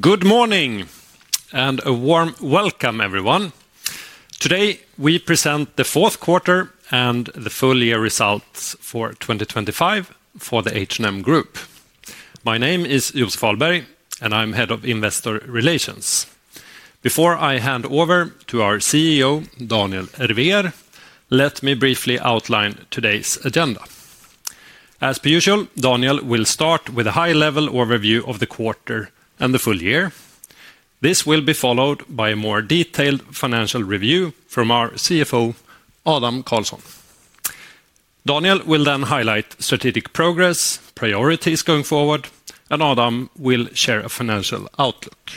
Good morning and a warm welcome, everyone. Today we present Q4 and the full-year results for 2025 for the H&M Group. My name is Joseph Ahlberg, and I'm Head of Investor Relations. Before I hand over to our CEO, Daniel Ervér, let me briefly outline today's agenda. As per usual, Daniel will start with a high-level overview of the quarter and the full year. This will be followed by a more detailed financial review from our CFO, Adam Karlsson. Daniel will then highlight strategic progress, priorities going forward, and Adam will share a financial outlook.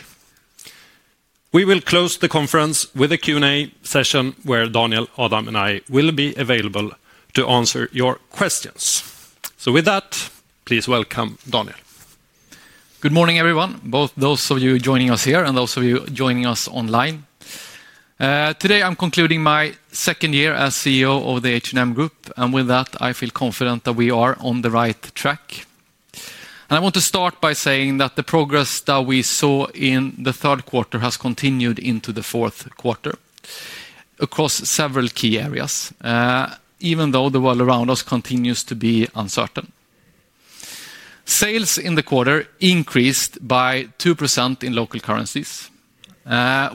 We will close the conference with a Q&A session where Daniel, Adam, and I will be available to answer your questions. With that, please welcome Daniel. Good morning, everyone. Both those of you joining us here and those of you joining us online. Today I'm concluding my second year as CEO of the H&M Group, and with that, I feel confident that we are on the right track. I want to start by saying that the progress that we saw in Q3 has continued into Q4 across several key areas, even though the world around us continues to be uncertain. Sales in the quarter increased by 2% in local currencies.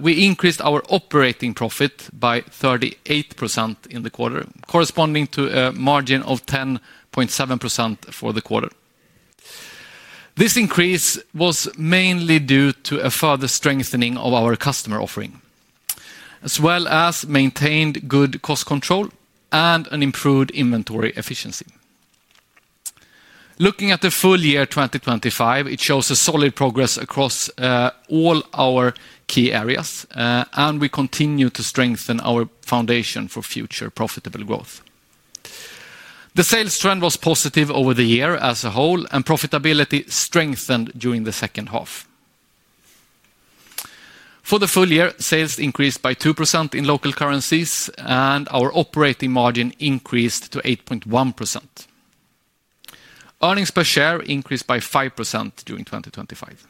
We increased our operating profit by 38% in the quarter, corresponding to a margin of 10.7% for the quarter. This increase was mainly due to a further strengthening of our customer offering, as well as maintained good cost control and an improved inventory efficiency. Looking at the full year 2025, it shows a solid progress across all our key areas, and we continue to strengthen our foundation for future profitable growth. The sales trend was positive over the year as a whole, and profitability strengthened during H2. For the full year, sales increased by 2% in local currencies, and our operating margin increased to 8.1%. Earnings per share increased by 5% during 2025.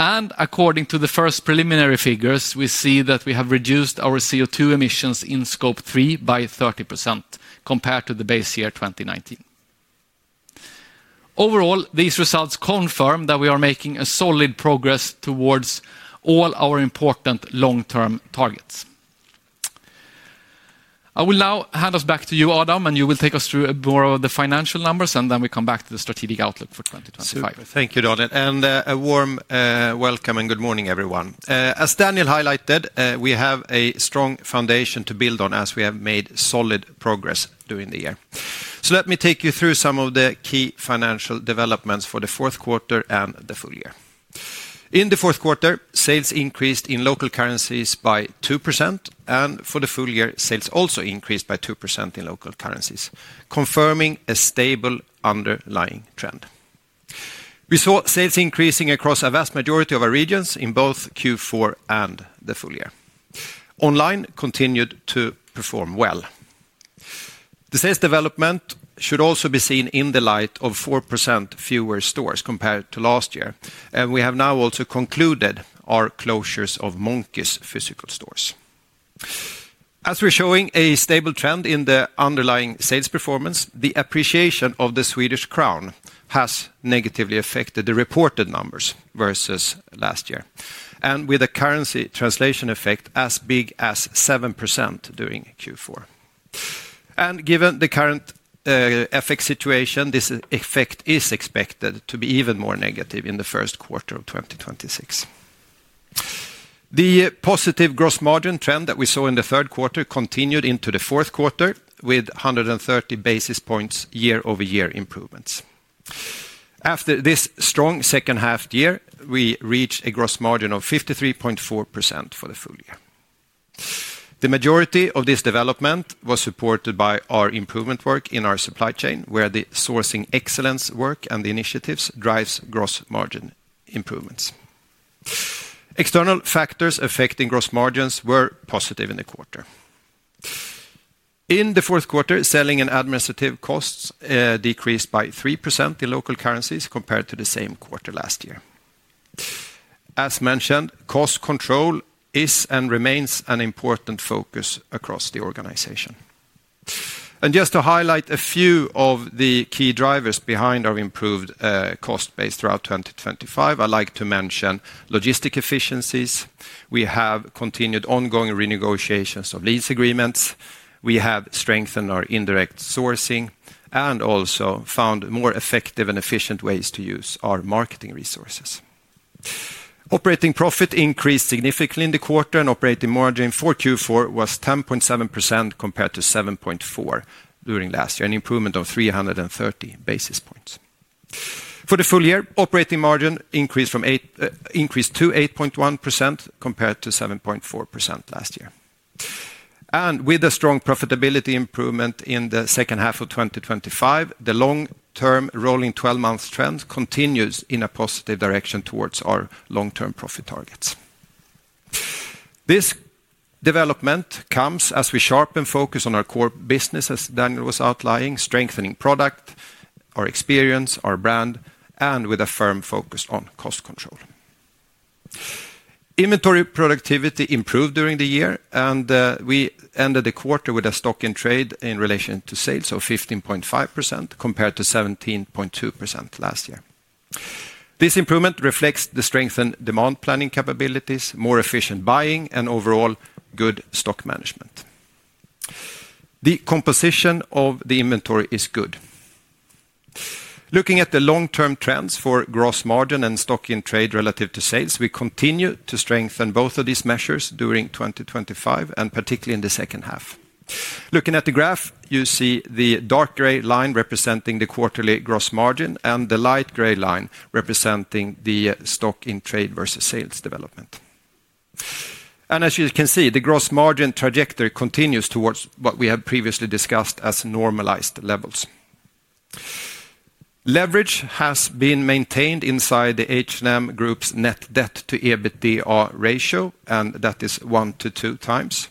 According to the first preliminary figures, we see that we have reduced our CO2 emissions in Scope 3 by 30% compared to the base year 2019. Overall, these results confirm that we are making solid progress towards all our important long-term targets. I will now hand us back to you, Adam, and you will take us through more of the financial numbers, and then we come back to the strategic outlook for 2025. Thank you, Daniel, and a warm welcome and good morning, everyone. As Daniel highlighted, we have a strong foundation to build on as we have made solid progress during the year. So let me take you through some of the key financial developments for Q4 and the full year. In Q4, sales increased in local currencies by 2%, and for the full year, sales also increased by 2% in local currencies, confirming a stable underlying trend. We saw sales increasing across a vast majority of our regions in both Q4 and the full year. Online continued to perform well. The sales development should also be seen in the light of 4% fewer stores compared to last year, and we have now also concluded our closures of Monki's physical stores. As we're showing a stable trend in the underlying sales performance, the appreciation of the Swedish krona has negatively affected the reported numbers versus last year, and with a currency translation effect as big as 7% during Q4. Given the current effect situation, this effect is expected to be even more negative in Q1 of 2026. The positive gross margin trend that we saw in Q3 continued into Q4 with 130 basis points year-over-year improvements. After this strong second-half year, we reached a gross margin of 53.4% for the full year. The majority of this development was supported by our improvement work in our supply chain, where the sourcing excellence work and the initiatives drive gross margin improvements. External factors affecting gross margins were positive in the quarter. In Q4, selling and administrative costs decreased by 3% in local currencies compared to the same quarter last year. As mentioned, cost control is and remains an important focus across the organization. Just to highlight a few of the key drivers behind our improved cost base throughout 2025, I'd like to mention logistic efficiencies. We have continued ongoing renegotiations of lease agreements. We have strengthened our indirect sourcing and also found more effective and efficient ways to use our marketing resources. Operating profit increased significantly in the quarter, and operating margin for Q4 was 10.7% compared to 7.4% during last year, an improvement of 330 basis points. For the full year, operating margin increased to 8.1% compared to 7.4% last year. With a strong profitability improvement in H2 of 2025, the long-term rolling 12-month trend continues in a positive direction towards our long-term profit targets. This development comes as we sharpen focus on our core business, as Daniel was outlining, strengthening product, our experience, our brand, and with a firm focus on cost control. Inventory productivity improved during the year, and we ended the quarter with a stock in trade in relation to sales of 15.5% compared to 17.2% last year. This improvement reflects the strengthened demand planning capabilities, more efficient buying, and overall good stock management. The composition of the inventory is good. Looking at the long-term trends for gross margin and stock in trade relative to sales, we continue to strengthen both of these measures during 2025, and particularly in H2. Looking at the graph, you see the dark gray line representing the quarterly gross margin and the light gray line representing the stock in trade versus sales development. As you can see, the gross margin trajectory continues towards what we have previously discussed as normalized levels. Leverage has been maintained inside the H&M Group's net debt-to-EBITDA ratio, and that is 1x to 2x.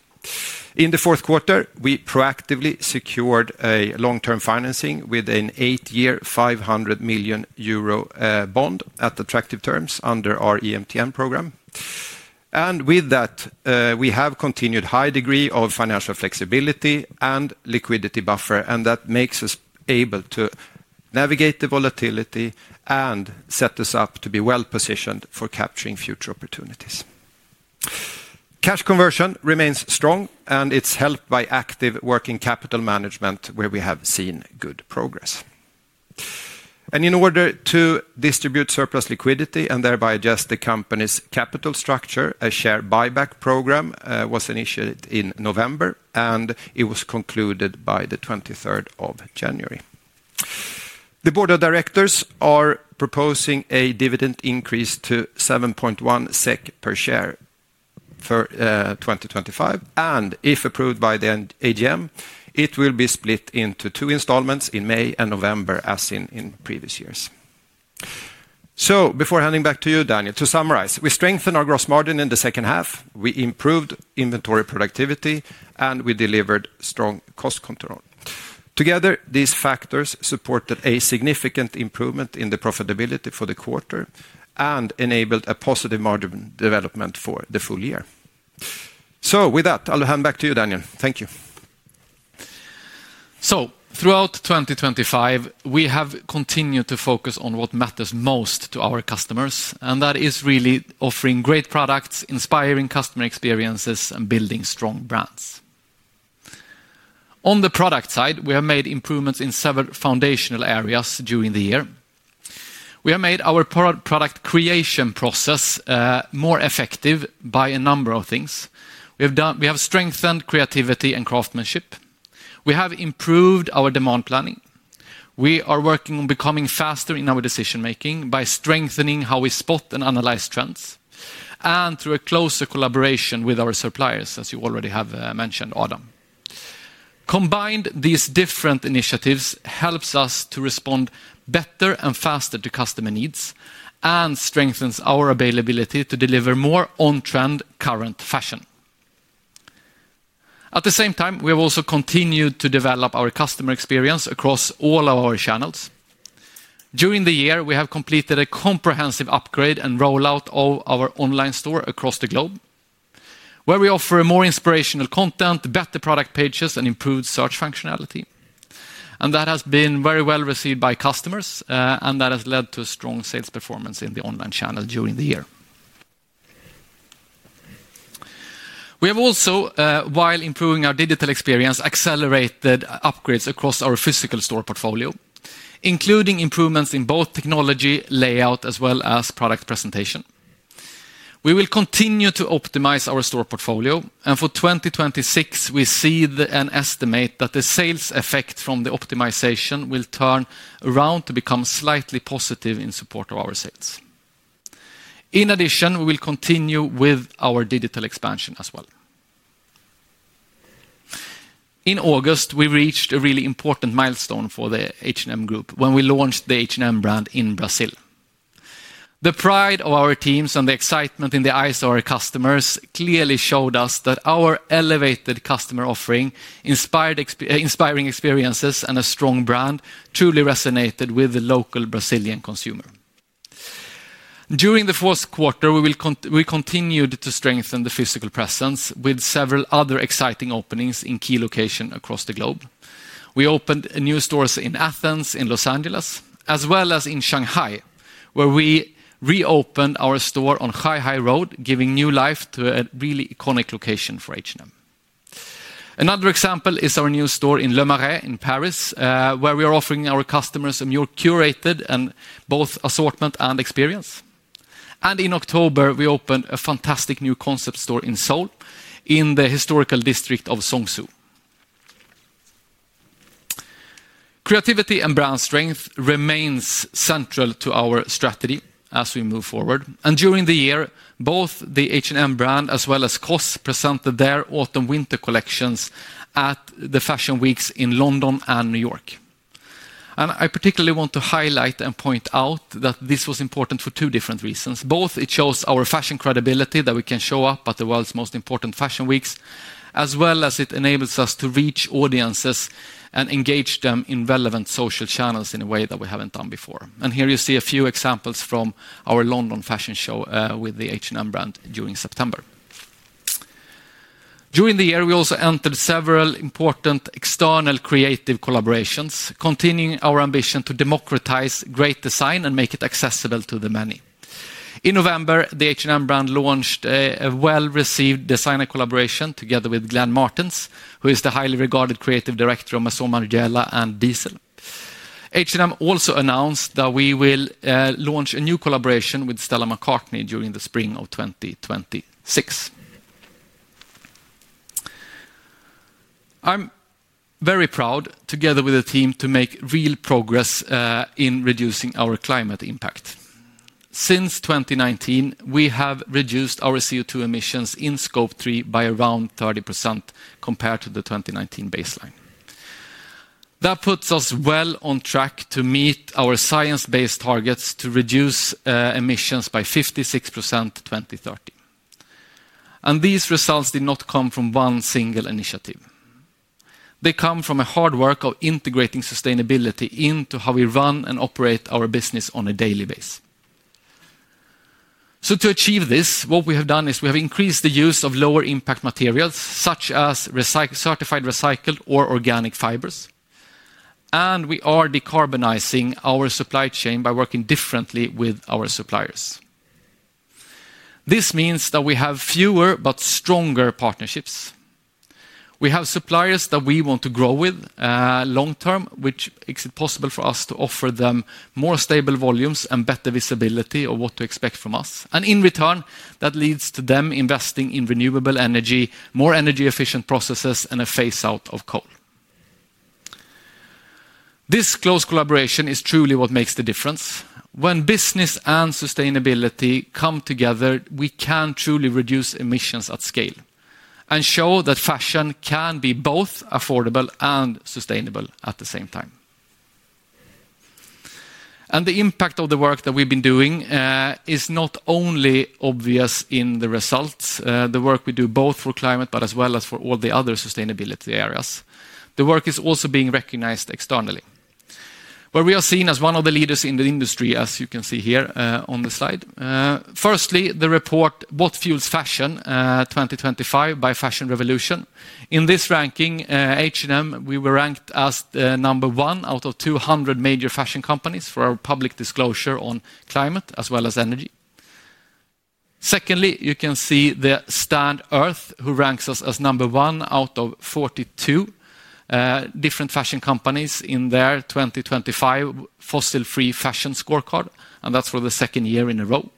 In Q4, we proactively secured a long-term financing with an 8-year 500 million euro bond at attractive terms under our EMTN program. With that, we have continued a high degree of financial flexibility and liquidity buffer, and that makes us able to navigate the volatility and set us up to be well-positioned for capturing future opportunities. Cash conversion remains strong, and it's helped by active working capital management, where we have seen good progress. In order to distribute surplus liquidity and thereby adjust the company's capital structure, a share buyback program was initiated in November, and it was concluded by the 23rd of January. The board of directors are proposing a dividend increase to 7.1% per share for 2025, and if approved by the AGM, it will be split into two installments in May and November, as seen in previous years. Before handing back to you, Daniel, to summarize, we strengthened our gross margin in H2, we improved inventory productivity, and we delivered strong cost control. Together, these factors supported a significant improvement in the profitability for the quarter and enabled a positive margin development for the full year. With that, I'll hand back to you, Daniel. Thank you. So throughout 2025, we have continued to focus on what matters most to our customers, and that is really offering great products, inspiring customer experiences, and building strong brands. On the product side, we have made improvements in several foundational areas during the year. We have made our product creation process more effective by a number of things. We have strengthened creativity and craftsmanship. We have improved our demand planning. We are working on becoming faster in our decision-making by strengthening how we spot and analyze trends and through a closer collaboration with our suppliers, as you already have mentioned, Adam. Combined, these different initiatives help us to respond better and faster to customer needs and strengthen our availability to deliver more on-trend, current fashion. At the same time, we have also continued to develop our customer experience across all of our channels. During the year, we have completed a comprehensive upgrade and rollout of our online store across the globe, where we offer more inspirational content, better product pages, and improved search functionality. That has been very well received by customers, and that has led to strong sales performance in the online channel during the year. We have also, while improving our digital experience, accelerated upgrades across our physical store portfolio, including improvements in both technology layout as well as product presentation. We will continue to optimize our store portfolio, and for 2026, we see an estimate that the sales effect from the optimization will turn around to become slightly positive in support of our sales. In addition, we will continue with our digital expansion as well. In August, we reached a really important milestone for the H&M Group when we launched the H&M brand in Brazil. The pride of our teams and the excitement in the eyes of our customers clearly showed us that our elevated customer offering, inspiring experiences, and a strong brand truly resonated with the local Brazilian consumer. During Q4, we continued to strengthen the physical presence with several other exciting openings in key locations across the globe. We opened new stores in Athens, in Los Angeles, as well as in Shanghai, where we reopened our store on Huaihai Road, giving new life to a really iconic location for H&M. Another example is our new store in Le Marais in Paris, where we are offering our customers a more curated and both assortment and experience. In October, we opened a fantastic new concept store in Seoul in the historical district of Seongsu. Creativity and brand strength remains central to our strategy as we move forward. During the year, both the H&M brand as well as COS presented their autumn-winter collections at the fashion weeks in London and New York. I particularly want to highlight and point out that this was important for two different reasons. Both it shows our fashion credibility that we can show up at the world's most important fashion weeks, as well as it enables us to reach audiences and engage them in relevant social channels in a way that we haven't done before. Here you see a few examples from our London fashion show with the H&M brand during September. During the year, we also entered several important external creative collaborations, continuing our ambition to democratize great design and make it accessible to the many. In November, the H&M brand launched a well-received designer collaboration together with Glenn Martens, who is the highly regarded creative director of Maison Margiela and Diesel. H&M also announced that we will launch a new collaboration with Stella McCartney during the spring of 2026. I'm very proud, together with the team, to make real progress in reducing our climate impact. Since 2019, we have reduced our CO2 emissions in Scope 3 by around 30% compared to the 2019 baseline. That puts us well on track to meet our science-based targets to reduce emissions by 56% to 2030. These results did not come from one single initiative. They come from a hard work of integrating sustainability into how we run and operate our business on a daily basis. To achieve this, what we have done is we have increased the use of lower impact materials such as certified recycled or organic fibers, and we are decarbonizing our supply chain by working differently with our suppliers. This means that we have fewer but stronger partnerships. We have suppliers that we want to grow with long-term, which makes it possible for us to offer them more stable volumes and better visibility of what to expect from us. And in return, that leads to them investing in renewable energy, more energy-efficient processes, and a phase-out of coal. This close collaboration is truly what makes the difference. When business and sustainability come together, we can truly reduce emissions at scale and show that fashion can be both affordable and sustainable at the same time. The impact of the work that we've been doing is not only obvious in the results, the work we do both for climate, but as well as for all the other sustainability areas. The work is also being recognized externally, where we are seen as one of the leaders in the industry, as you can see here on the slide. Firstly, the report "What Fuels Fashion? 2025" by Fashion Revolution. In this ranking, H&M, we were ranked as number one out of 200 major fashion companies for our public disclosure on climate as well as energy. Secondly, you can see the Stand.earth, who ranks us as number one out of 42 different fashion companies in their 2025 Fossil-Free Fashion Scorecard, and that's for the second year in a row.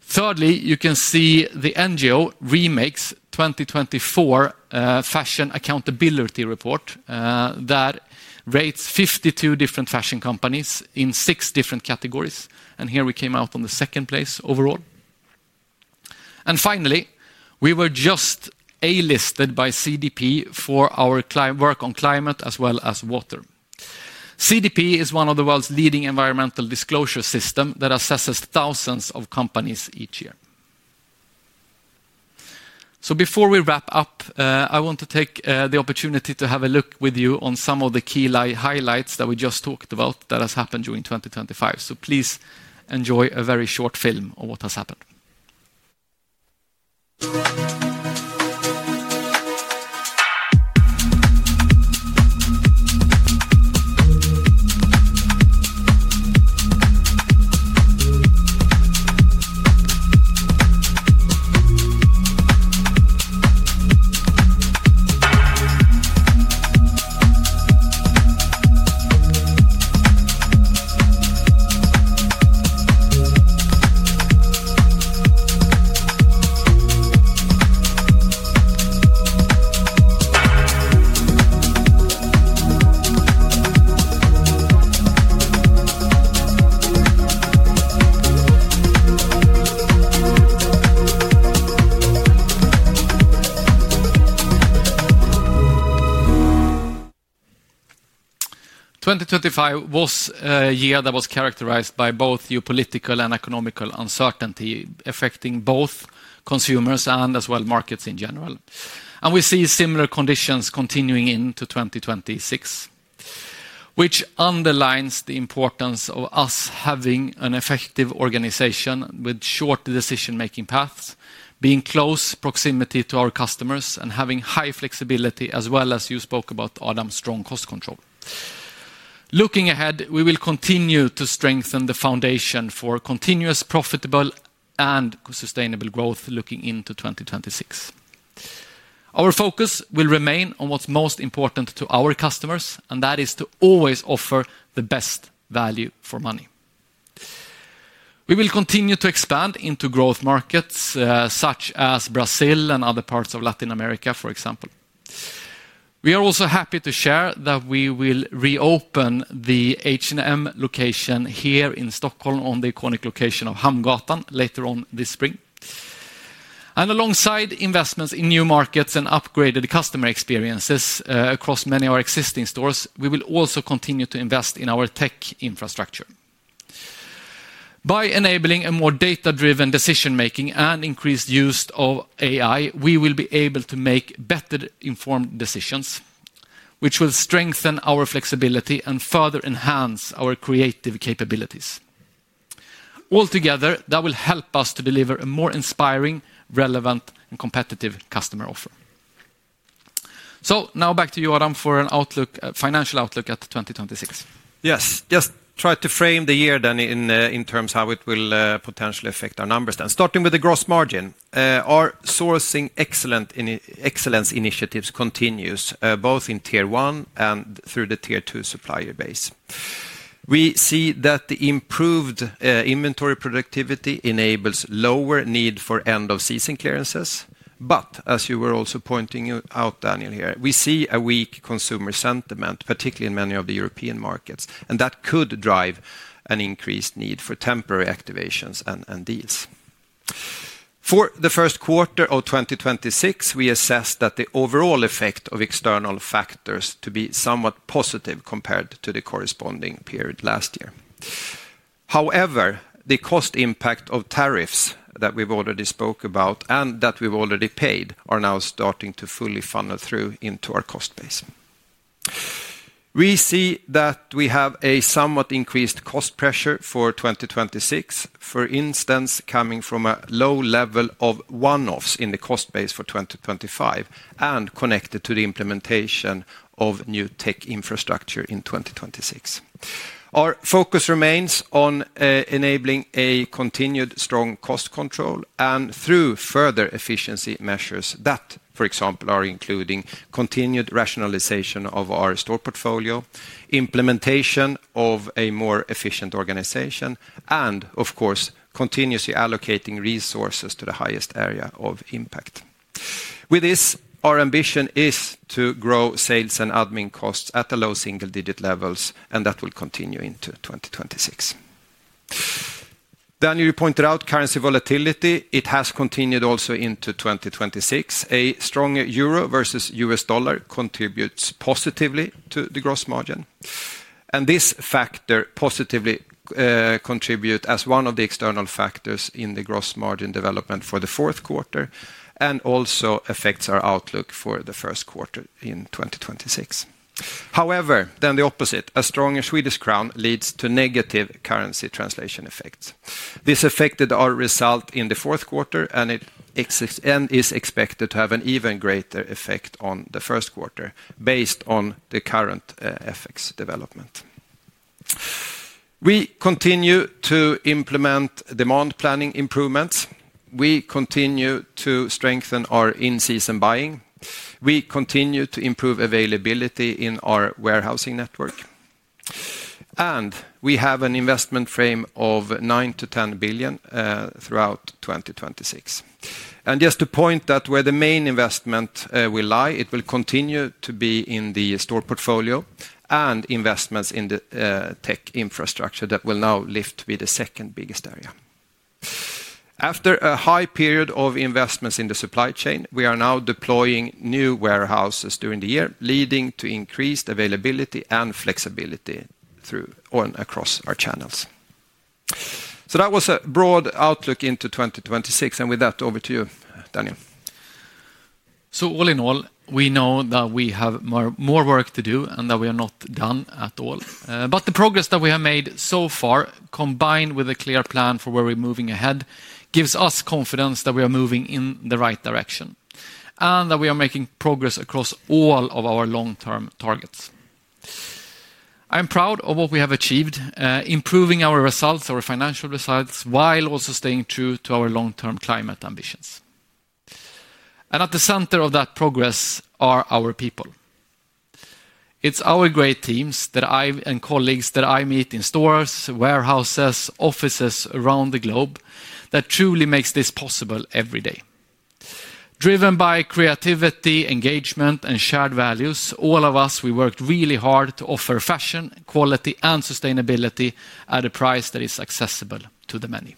Thirdly, you can see the NGO Remake 2024 Fashion Accountability Report that rates 52 different fashion companies in six different categories. Here we came out in the second place overall. Finally, we were just A-listed by CDP for our work on climate as well as water. CDP is one of the world's leading environmental disclosure systems that assesses thousands of companies each year. Before we wrap up, I want to take the opportunity to have a look with you on some of the key highlights that we just talked about that has happened during 2025. Please enjoy a very short film of what has happened. Twenty twenty-five was a year that was characterized by both geopolitical and economic uncertainty affecting both consumers and as well markets in general. We see similar conditions continuing into 2026, which underlines the importance of us having an effective organization with short decision-making paths, being close proximity to our customers, and having high flexibility, as well as you spoke about, Adam, strong cost control. Looking ahead, we will continue to strengthen the foundation for continuous profitable and sustainable growth looking into 2026. Our focus will remain on what's most important to our customers, and that is to always offer the best value for money. We will continue to expand into growth markets such as Brazil and other parts of Latin America, for example. We are also happy to share that we will reopen the H&M location here in Stockholm on the iconic location of Hamngatan later on this spring. Alongside investments in new markets and upgraded customer experiences across many of our existing stores, we will also continue to invest in our tech infrastructure. By enabling a more data-driven decision-making and increased use of AI, we will be able to make better-informed decisions, which will strengthen our flexibility and further enhance our creative capabilities. Altogether, that will help us to deliver a more inspiring, relevant, and competitive customer offer. So now back to you, Adam, for an outlook, financial outlook at 2026. Yes, just try to frame the year then in terms of how it will potentially affect our numbers then. Starting with the gross margin, our sourcing excellence initiatives continue both in Tier 1 and through the Tier 2 supplier base. We see that the improved inventory productivity enables lower need for end-of-season clearances. But as you were also pointing out, Daniel here, we see a weak consumer sentiment, particularly in many of the European markets, and that could drive an increased need for temporary activations and deals. For Q1 of 2026, we assessed that the overall effect of external factors is to be somewhat positive compared to the corresponding period last year. However, the cost impact of tariffs that we've already spoke about and that we've already paid are now starting to fully funnel through into our cost base. We see that we have a somewhat increased cost pressure for 2026, for instance, coming from a low level of one-offs in the cost base for 2025 and connected to the implementation of new tech infrastructure in 2026. Our focus remains on enabling a continued strong cost control and through further efficiency measures that, for example, are including continued rationalization of our store portfolio, implementation of a more efficient organization, and of course, continuously allocating resources to the highest area of impact. With this, our ambition is to grow sales and admin costs at the low single-digit levels, and that will continue into 2026. Daniel, you pointed out currency volatility. It has continued also into 2026. A stronger euro versus U.S. dollar contributes positively to the gross margin. This factor positively contributes as one of the external factors in the gross margin development for Q4 and also affects our outlook for Q1 in 2026. However, then the opposite, a stronger Swedish crown leads to negative currency translation effects. This affected our result in Q4 and is expected to have an even greater effect on Q1 based on the current effects development. We continue to implement demand planning improvements. We continue to strengthen our in-season buying. We continue to improve availability in our warehousing network. We have an investment frame of 9-10 billion throughout 2026. Just to point out where the main investment will lie, it will continue to be in the store portfolio and investments in the tech infrastructure that will now lift to be the second biggest area. After a high period of investments in the supply chain, we are now deploying new warehouses during the year, leading to increased availability and flexibility through and across our channels. That was a broad outlook into 2026, and with that, over to you, Daniel. So all in all, we know that we have more work to do and that we are not done at all. But the progress that we have made so far, combined with a clear plan for where we're moving ahead, gives us confidence that we are moving in the right direction and that we are making progress across all of our long-term targets. I'm proud of what we have achieved, improving our results, our financial results, while also staying true to our long-term climate ambitions. And at the center of that progress are our people. It's our great teams that I and colleagues that I meet in stores, warehouses, offices around the globe that truly makes this possible every day. Driven by creativity, engagement, and shared values, all of us, we worked really hard to offer fashion, quality, and sustainability at a price that is accessible to the many.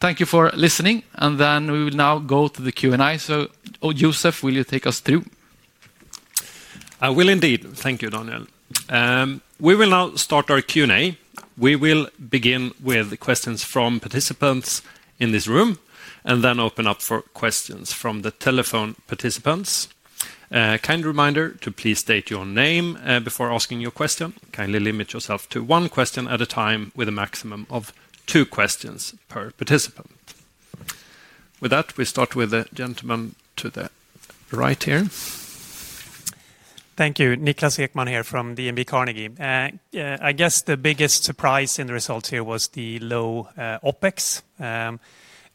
Thank you for listening, and then we will now go to the Q&A. So Joseph, will you take us through? I will indeed. Thank you, Daniel. We will now start our Q&A. We will begin with questions from participants in this room and then open up for questions from the telephone participants. Kind reminder to please state your name before asking your question. Kindly limit yourself to one question at a time with a maximum of two questions per participant. With that, we start with the gentleman to the right here. Thank you. Niklas Ekman here from DNB Carnegie. I guess the biggest surprise in the results here was the low OpEx.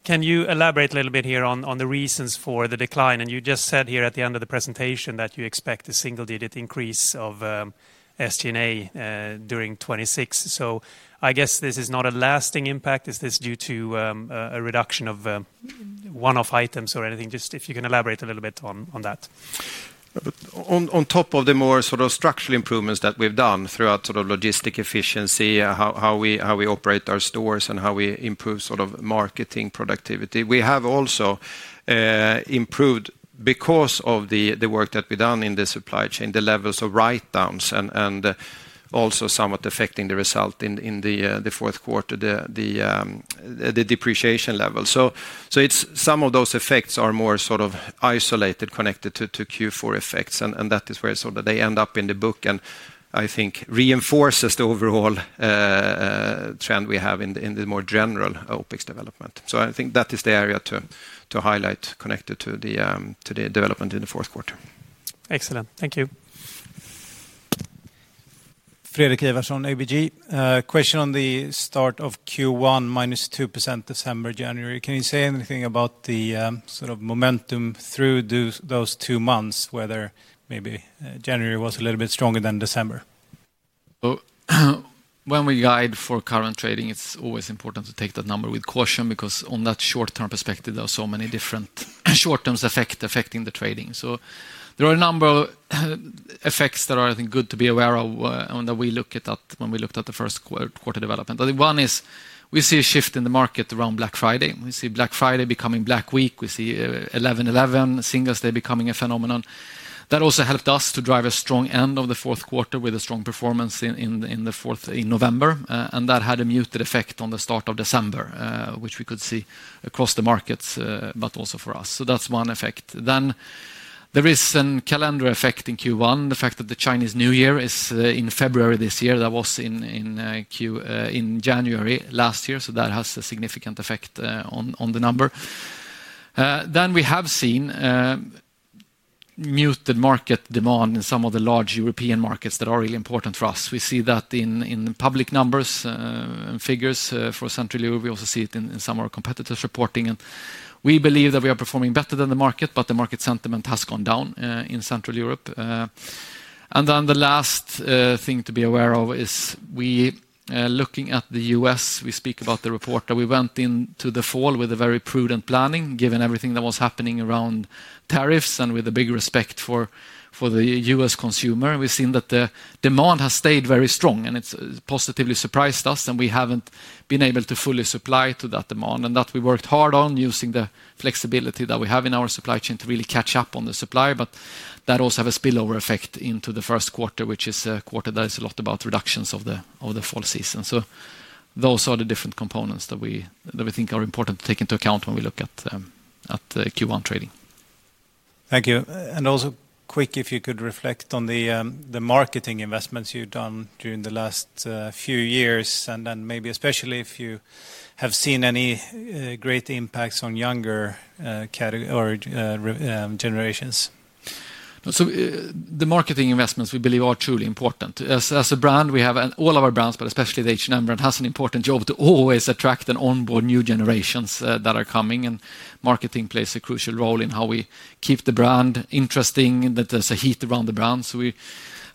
Can you elaborate a little bit here on the reasons for the decline? You just said here at the end of the presentation that you expect a single-digit increase of SG&A during 2026. So I guess this is not a lasting impact. Is this due to a reduction of one-off items or anything? Just if you can elaborate a little bit on that. On top of the more sort of structural improvements that we've done throughout sort of logistics efficiency, how we operate our stores and how we improve sort of marketing productivity, we have also improved because of the work that we've done in the supply chain, the levels of write-downs and also somewhat affecting the result in Q4, the depreciation level. So some of those effects are more sort of isolated, connected to Q4 effects, and that is where sort of they end up in the book and I think reinforces the overall trend we have in the more general OpEx development. So I think that is the area to highlight connected to the development in Q4. Excellent. Thank you. Fredrik Ivarsson, ABG. Question on the start of Q1, -2% December, January. Can you say anything about the sort of momentum through those two months, whether maybe January was a little bit stronger than December? When we guide for current trading, it's always important to take that number with caution because on that short-term perspective, there are so many different short-term effects affecting the trading. So there are a number of effects that are, I think, good to be aware of and that we looked at when we looked at Q1 development. One is we see a shift in the market around Black Friday. We see Black Friday becoming Black Week. We see 11/11, Singles' Day becoming a phenomenon. That also helped us to drive a strong end of Q4 with a strong performance in November, and that had a muted effect on the start of December, which we could see across the markets, but also for us. So that's one effect. Then there is a calendar effect in Q1, the fact that the Chinese New Year is in February this year. That was in January last year, so that has a significant effect on the number. Then we have seen muted market demand in some of the large European markets that are really important for us. We see that in public numbers and figures for Central Europe. We also see it in some of our competitors' reporting, and we believe that we are performing better than the market, but the market sentiment has gone down in Central Europe. Then the last thing to be aware of is, we are looking at the U.S. We speak about the report that we went into the fall with a very prudent planning, given everything that was happening around tariffs and with a big respect for the U.S. consumer. We've seen that the demand has stayed very strong, and it's positively surprised us, and we haven't been able to fully supply to that demand and that we worked hard on using the flexibility that we have in our supply chain to really catch up on the supply. But that also has a spillover effect into Q1, which is a quarter that is a lot about reductions of the fall season. Those are the different components that we think are important to take into account when we look at Q1 trading. Thank you. And also quick, if you could reflect on the marketing investments you've done during the last few years and then maybe especially if you have seen any great impacts on younger generations. So the marketing investments we believe are truly important. As a brand, we have all of our brands, but especially the H&M brand has an important job to always attract and onboard new generations that are coming, and marketing plays a crucial role in how we keep the brand interesting, that there's a heat around the brand. So we're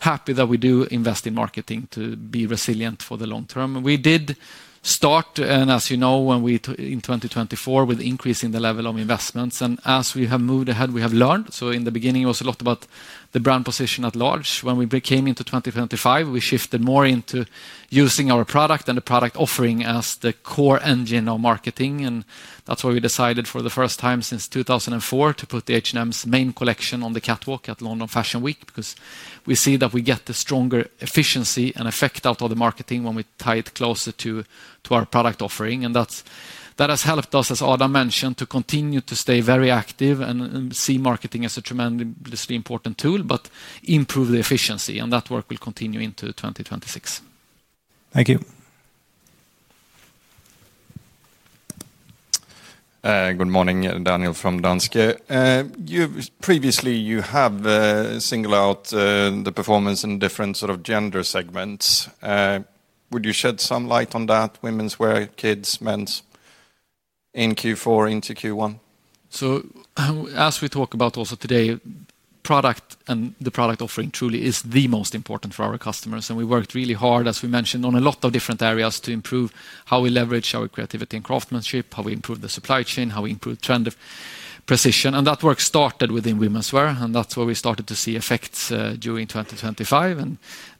happy that we do invest in marketing to be resilient for the long term. We did start, and as you know, in 2024 with increasing the level of investments. And as we have moved ahead, we have learned. So in the beginning, it was a lot about the brand position at large. When we came into 2025, we shifted more into using our product and the product offering as the core engine of marketing. And that's why we decided for the first time since 2004 to put the H&M's main collection on the catwalk at London Fashion Week because we see that we get the stronger efficiency and effect out of the marketing when we tie it closer to our product offering. And that has helped us, as Adam mentioned, to continue to stay very active and see marketing as a tremendously important tool, but improve the efficiency. And that work will continue into 2026. Thank you. Good morning, Daniel from Danske. Previously, you have singled out the performance in different sort of gender segments. Would you shed some light on that, women's wear, kids, men's in Q4 into Q1? So as we talk about also today, product and the product offering truly is the most important for our customers. And we worked really hard, as we mentioned, on a lot of different areas to improve how we leverage our creativity and craftsmanship, how we improve the supply chain, how we improve trend of precision. And that work started within women's wear, and that's where we started to see effects during 2025. And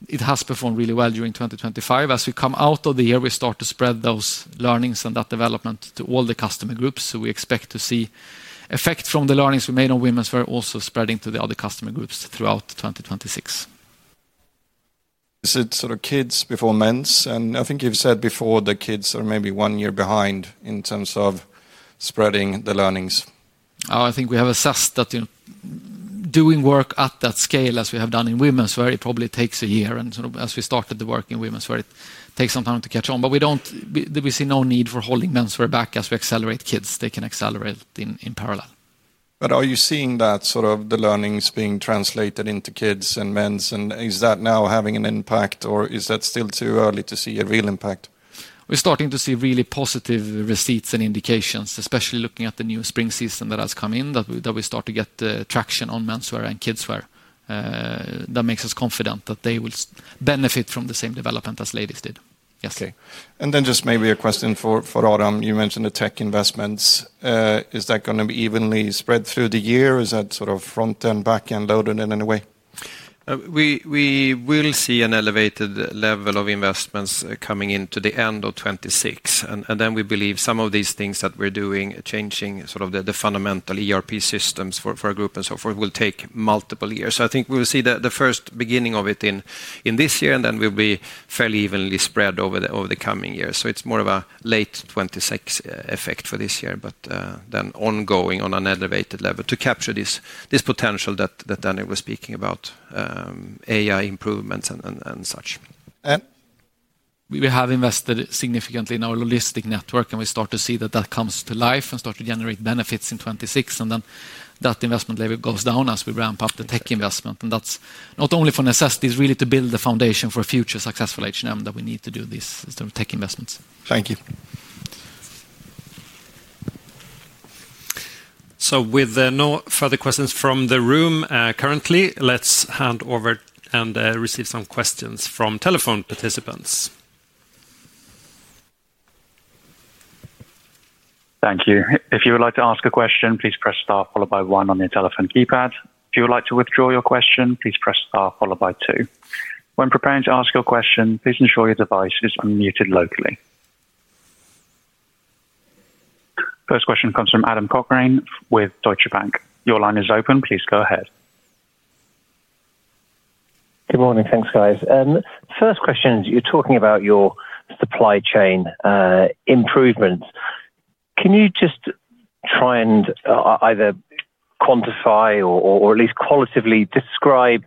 it has performed really well during 2025. As we come out of the year, we start to spread those learnings and that development to all the customer groups. So we expect to see effects from the learnings we made on women's wear also spreading to the other customer groups throughout 2026. Is it sort of kids before men's? And I think you've said before that kids are maybe one year behind in terms of spreading the learnings. I think we have assessed that doing work at that scale as we have done in women's wear probably takes a year. And sort of as we started the work in women's wear, it takes some time to catch on. But we don't see no need for holding men's wear back as we accelerate kids. They can accelerate in parallel. But are you seeing that sort of the learnings being translated into kids and men's? And is that now having an impact, or is that still too early to see a real impact? We're starting to see really positive receipts and indications, especially looking at the new spring season that has come in, that we start to get traction on men's wear and kids' wear. That makes us confident that they will benefit from the same development as ladies did. Yes. Okay. And then just maybe a question for Adam. You mentioned the tech investments. Is that going to be evenly spread through the year? Is that sort of front-end, back-end loaded in any way? We will see an elevated level of investments coming into the end of 2026. And then we believe some of these things that we're doing, changing sort of the fundamental ERP systems for our group and so forth, will take multiple years. So I think we will see the first beginning of it in this year, and then we'll be fairly evenly spread over the coming years. So it's more of a late 2026 effect for this year, but then ongoing on an elevated level to capture this potential that Daniel was speaking about, AI improvements and such. And we have invested significantly in our logistics network, and we start to see that that comes to life and start to generate benefits in 2026. That investment level goes down as we ramp up the tech investment. That's not only for necessities, really to build the foundation for a future successful H&M that we need to do these tech investments. Thank you. With no further questions from the room currently, let's hand over and receive some questions from telephone participants. Thank you. If you would like to ask a question, please press star followed by one on your telephone keypad. If you would like to withdraw your question, please press star followed by two. When preparing to ask your question, please ensure your device is unmuted locally. First question comes from Adam Cochrane with Deutsche Bank. Your line is open. Please go ahead. Good morning. Thanks, guys. First question, you're talking about your supply chain improvements. Can you just try and either quantify or at least qualitatively describe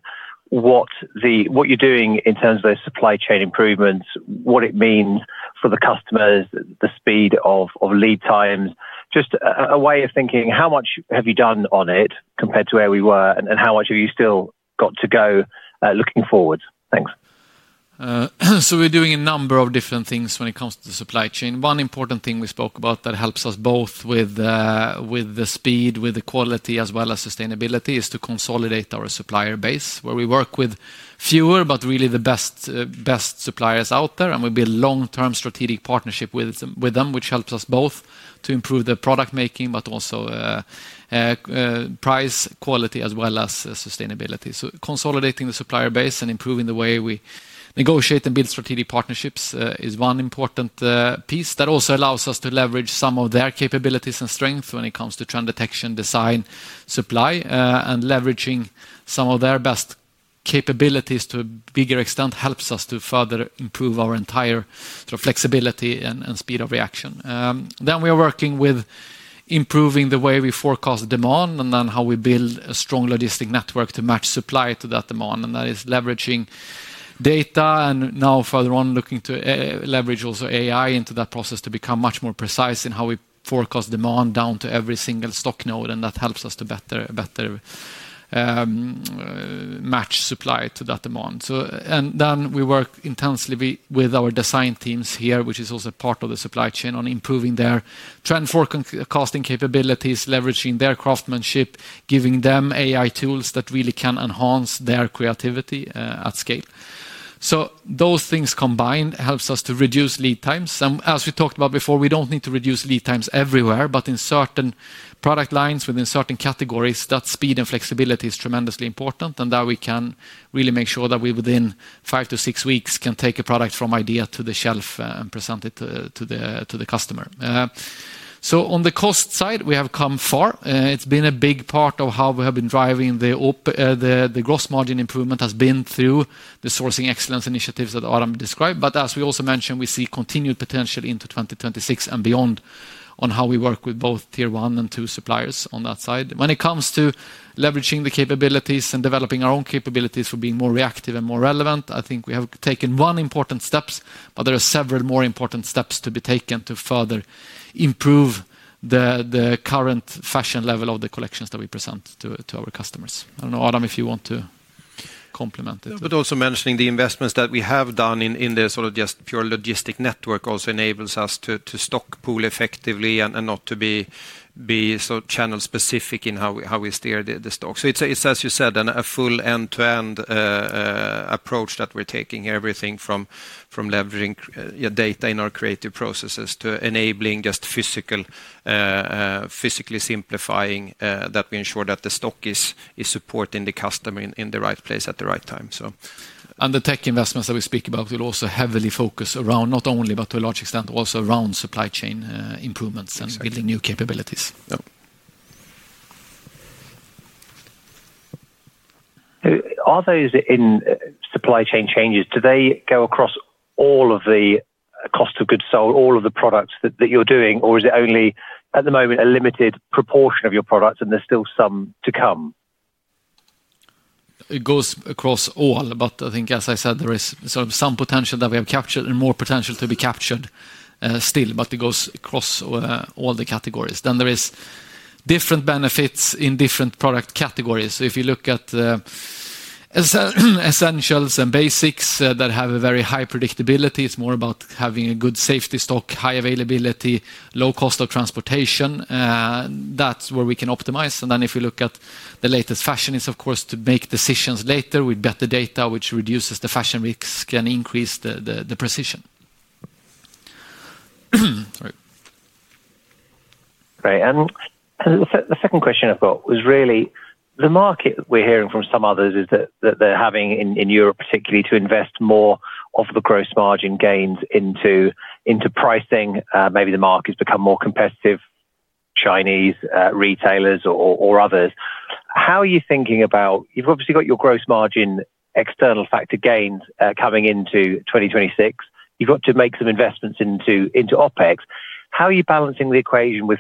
what you're doing in terms of those supply chain improvements, what it means for the customers, the speed of lead times, just a way of thinking, how much have you done on it compared to where we were, and how much have you still got to go looking forward? Thanks. So we're doing a number of different things when it comes to the supply chain. One important thing we spoke about that helps us both with the speed, with the quality, as well as sustainability, is to consolidate our supplier base where we work with fewer, but really the best suppliers out there. And we build long-term strategic partnership with them, which helps us both to improve the product making, but also price, quality, as well as sustainability. So consolidating the supplier base and improving the way we negotiate and build strategic partnerships is one important piece that also allows us to leverage some of their capabilities and strengths when it comes to trend detection, design, supply, and leveraging some of their best capabilities to a bigger extent helps us to further improve our entire flexibility and speed of reaction. Then we are working with improving the way we forecast demand and then how we build a strong logistics network to match supply to that demand. And that is leveraging data and now further on looking to leverage also AI into that process to become much more precise in how we forecast demand down to every single stock node. And that helps us to better match supply to that demand. Then we work intensely with our design teams here, which is also part of the supply chain on improving their trend forecasting capabilities, leveraging their craftsmanship, giving them AI tools that really can enhance their creativity at scale. So those things combined helps us to reduce lead times. As we talked about before, we don't need to reduce lead times everywhere, but in certain product lines, within certain categories, that speed and flexibility is tremendously important. And that we can really make sure that we within 5-6 weeks can take a product from idea to the shelf and present it to the customer. So on the cost side, we have come far. It's been a big part of how we have been driving the gross margin improvement has been through the sourcing excellence initiatives that Adam described. But as we also mentioned, we see continued potential into 2026 and beyond on how we work with both Tier 1 and Tier 2 suppliers on that side. When it comes to leveraging the capabilities and developing our own capabilities for being more reactive and more relevant, I think we have taken one important step, but there are several more important steps to be taken to further improve the current fashion level of the collections that we present to our customers. I don't know, Adam, if you want to complement it. But also mentioning the investments that we have done in the sort of just pure logistic network also enables us to stock pool effectively and not to be so channel specific in how we steer the stock. So it's, as you said, a full end-to-end approach that we're taking here, everything from leveraging data in our creative processes to enabling just physically simplifying that we ensure that the stock is supporting the customer in the right place at the right time. And the tech investments that we speak about will also heavily focus around not only, but to a large extent, also around supply chain improvements and building new capabilities. Are those in supply chain changes? Do they go across all of the cost of goods sold, all of the products that you're doing, or is it only at the moment a limited proportion of your products and there's still some to come? It goes across all, but I think, as I said, there is some potential that we have captured and more potential to be captured still, but it goes across all the categories. Then there are different benefits in different product categories. So if you look at essentials and basics that have a very high predictability, it's more about having a good safety stock, high availability, low cost of transportation. That's where we can optimize. And then if you look at the latest fashion, it's of course to make decisions later with better data, which reduces the fashion risk and increases the precision. Great. And the second question I've got was really the market we're hearing from some others is that they're having in Europe, particularly to invest more of the gross margin gains into pricing. Maybe the market has become more competitive, Chinese retailers or others. How are you thinking about, you've obviously got your gross margin external factor gains coming into 2026. You've got to make some investments into OpEx. How are you balancing the equation with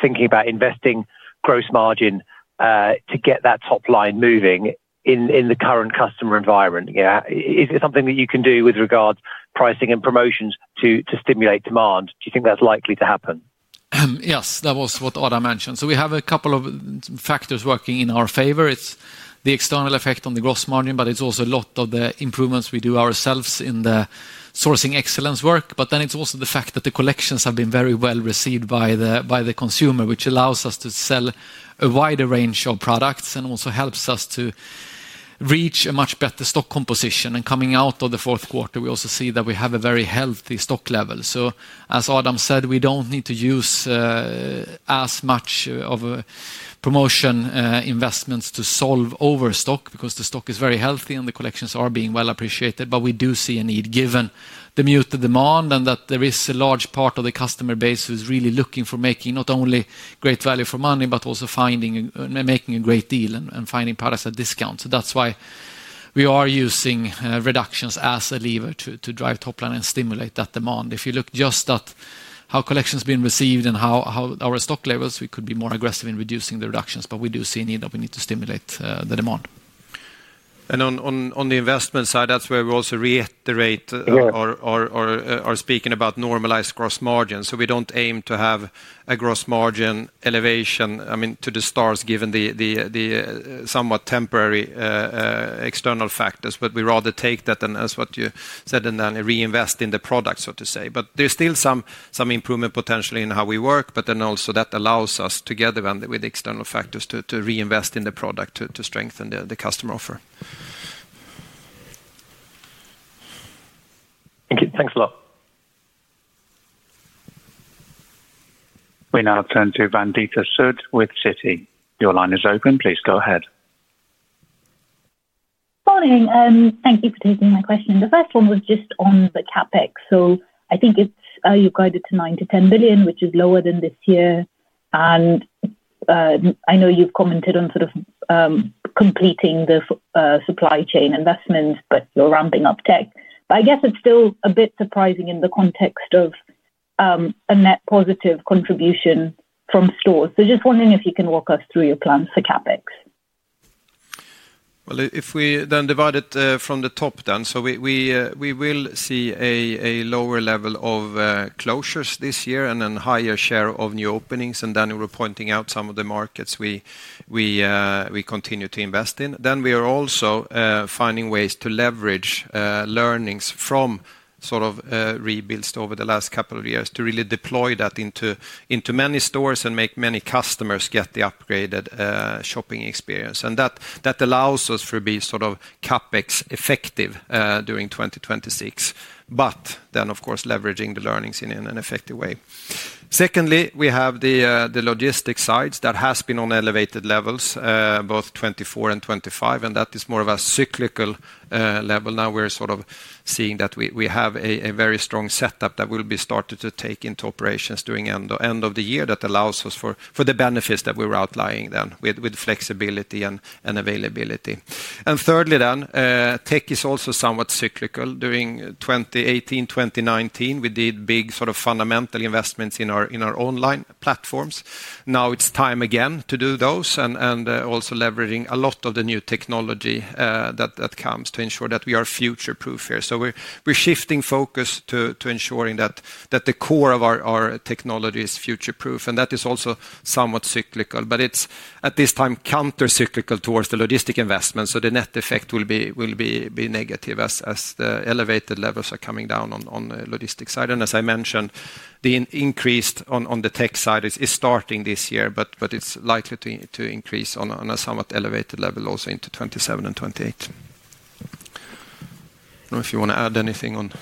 thinking about investing gross margin to get that top line moving in the current customer environment? Is it something that you can do with regards to pricing and promotions to stimulate demand? Do you think that's likely to happen? Yes, that was what Adam mentioned. So we have a couple of factors working in our favor. It's the external effect on the gross margin, but it's also a lot of the improvements we do ourselves in the sourcing excellence work. But then it's also the fact that the collections have been very well received by the consumer, which allows us to sell a wider range of products and also helps us to reach a much better stock composition. And coming out of Q4, we also see that we have a very healthy stock level. So as Adam said, we don't need to use as much of promotion investments to solve overstock because the stock is very healthy and the collections are being well appreciated. But we do see a need given the muted demand and that there is a large part of the customer base who is really looking for making not only great value for money, but also making a great deal and finding products at discount. So that's why we are using reductions as a lever to drive top line and stimulate that demand. If you look just at how collections have been received and how our stock levels, we could be more aggressive in reducing the reductions, but we do see a need that we need to stimulate the demand. And on the investment side, that's where we also reiterate or are speaking about normalized gross margin. So we don't aim to have a gross margin elevation, I mean, to the stars given the somewhat temporary external factors, but we rather take that and, as what you said, and then reinvest in the product, so to say. But there's still some improvement potentially in how we work, but then also that allows us together with external factors to reinvest in the product to strengthen the customer offer. Thank you. Thanks a lot. We now turn to Vandita Sood with Citi. Your line is open. Please go ahead. Morning. Thank you for taking my question. The first one was just on the CapEx. So I think you've guided to 9 billion-10 billion, which is lower than this year. And I know you've commented on sort of completing the supply chain investments, but you're ramping up tech. But I guess it's still a bit surprising in the context of a net positive contribution from stores. Just wondering if you can walk us through your plans for CapEx. Well, if we then divide it from the top then, so we will see a lower level of closures this year and a higher share of new openings. Daniel were pointing out some of the markets we continue to invest in. Then we are also finding ways to leverage learnings from sort of rebuilds over the last couple of years to really deploy that into many stores and make many customers get the upgraded shopping experience. And that allows us to be sort of CapEx effective during 2026, but then, of course, leveraging the learnings in an effective way. Secondly, we have the logistics side that has been on elevated levels, both 2024 and 2025, and that is more of a cyclical level. Now we're sort of seeing that we have a very strong setup that will be started to take into operations during the end of the year that allows us for the benefits that we were outlining then with flexibility and availability. And thirdly, then tech is also somewhat cyclical. During 2018, 2019, we did big sort of fundamental investments in our online platforms. Now it's time again to do those and also leveraging a lot of the new technology that comes to ensure that we are future-proof here. So we're shifting focus to ensuring that the core of our technology is future-proof. And that is also somewhat cyclical, but it's at this time counter-cyclical towards the logistics investments. So the net effect will be negative as the elevated levels are coming down on the logistics side. And as I mentioned, the increase on the tech side is starting this year, but it's likely to increase on a somewhat elevated level also into 2027 and 2028. I don't know if you want to add anything on.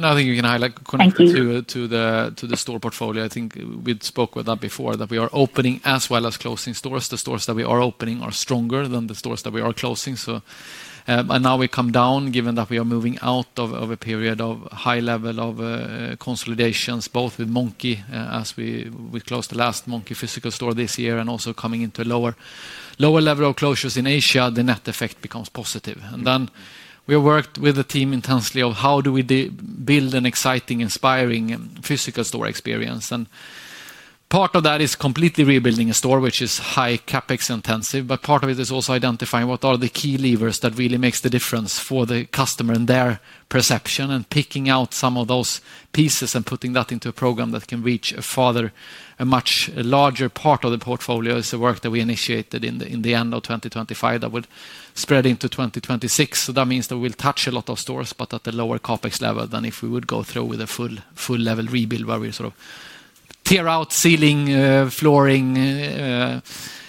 Nothing you can highlight. Thank you. To the store portfolio, I think we spoke with that before that we are opening as well as closing stores. The stores that we are opening are stronger than the stores that we are closing. And now we come down given that we are moving out of a period of high level of consolidations, both with Monki, as we closed the last Monki physical store this year, and also coming into a lower level of closures in Asia, the net effect becomes positive. Then we have worked with the team intensely of how do we build an exciting, inspiring physical store experience. Part of that is completely rebuilding a store, which is high CapEx intensive, but part of it is also identifying what are the key levers that really make the difference for the customer and their perception and picking out some of those pieces and putting that into a program that can reach a farther, a much larger part of the portfolio is the work that we initiated in the end of 2025 that would spread into 2026. That means that we will touch a lot of stores, but at a lower CapEx level than if we would go through with a full-level rebuild where we sort of tear out ceiling, flooring,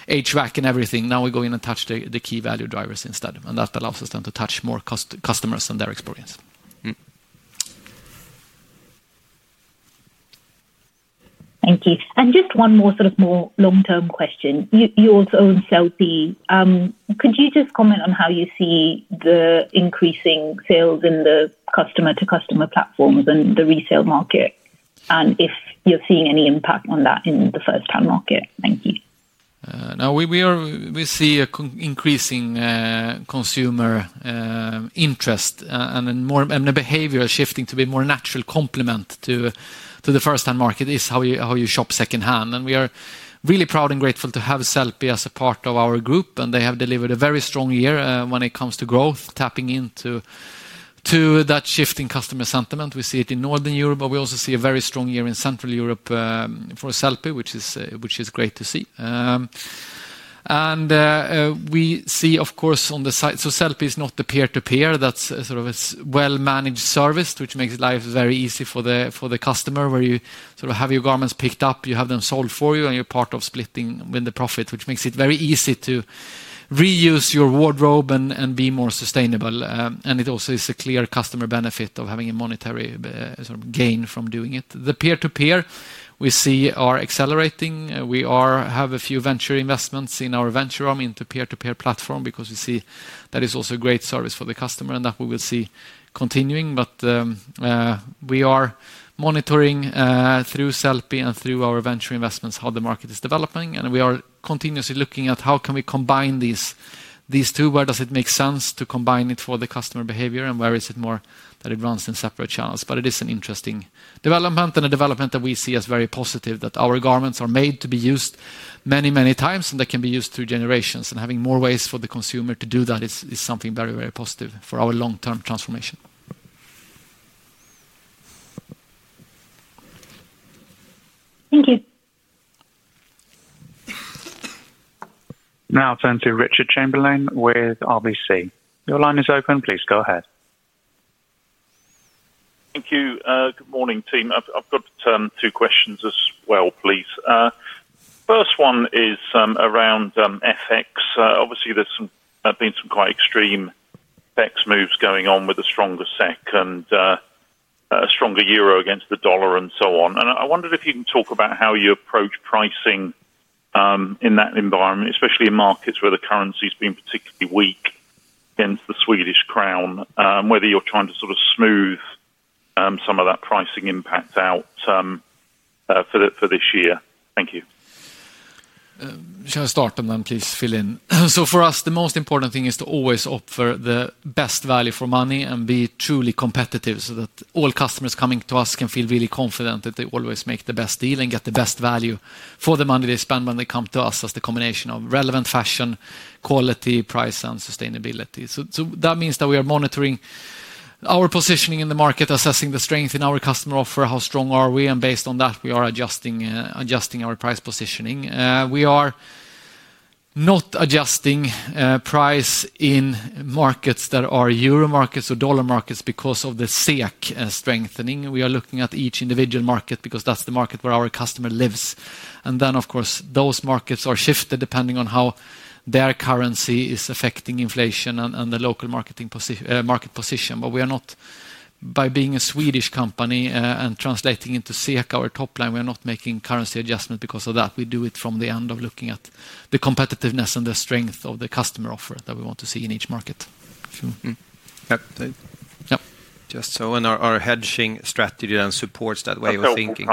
HVAC, and everything. Now we go in and touch the key value drivers instead. And that allows us then to touch more customers and their experience. Thank you. And just one more sort of more long-term question. You also own Sellpy. Could you just comment on how you see the increasing sales in the customer-to-customer platforms and the resale market and if you're seeing any impact on that in the first-hand market? Thank you. Now we see an increasing consumer interest and the behavior shifting to be a more natural complement to the first-hand market is how you shop secondhand. And we are really proud and grateful to have Sellpy as a part of our group, and they have delivered a very strong year when it comes to growth, tapping into that shift in customer sentiment. We see it in Northern Europe, but we also see a very strong year in Central Europe for Sellpy, which is great to see. We see, of course, on the side, so Sellpy is not the peer-to-peer. That's sort of a well-managed service, which makes life very easy for the customer, where you sort of have your garments picked up, you have them sold for you, and you're part of splitting with the profits, which makes it very easy to reuse your wardrobe and be more sustainable. It also is a clear customer benefit of having a monetary gain from doing it. The peer-to-peer, we see, are accelerating. We have a few venture investments in our venture arm into peer-to-peer platform because we see that is also a great service for the customer and that we will see continuing. But we are monitoring through Sellpy and through our venture investments how the market is developing. We are continuously looking at how can we combine these two, where does it make sense to combine it for the customer behavior, and where is it more that it runs in separate channels. But it is an interesting development and a development that we see as very positive that our garments are made to be used many, many times, and they can be used through generations. And having more ways for the consumer to do that is something very, very positive for our long-term transformation. Thank you. Now turn to Richard Chamberlain with RBC. Your line is open. Please go ahead. Thank you. Good morning, team. I've got two questions as well, please. First one is around FX. Obviously, there's been some quite extreme FX moves going on with a stronger SEK and a stronger euro against the dollar and so on. I wondered if you can talk about how you approach pricing in that environment, especially in markets where the currency has been particularly weak against the Swedish crown, whether you're trying to sort of smooth some of that pricing impact out for this year. Thank you. Shall I start and then please fill in? For us, the most important thing is to always offer the best value for money and be truly competitive so that all customers coming to us can feel really confident that they always make the best deal and get the best value for the money they spend when they come to us as the combination of relevant fashion, quality, price, and sustainability. So that means that we are monitoring our positioning in the market, assessing the strength in our customer offer, how strong are we, and based on that, we are adjusting our price positioning. We are not adjusting price in markets that are euro markets or dollar markets because of the SEK strengthening. We are looking at each individual market because that's the market where our customer lives. And then, of course, those markets are shifted depending on how their currency is affecting inflation and the local market position. But we are not, by being a Swedish company and translating into SEK, our top line, we are not making currency adjustment because of that. We do it from the end of looking at the competitiveness and the strength of the customer offer that we want to see in each market. Yep. Just so our hedging strategy then supports that way of thinking.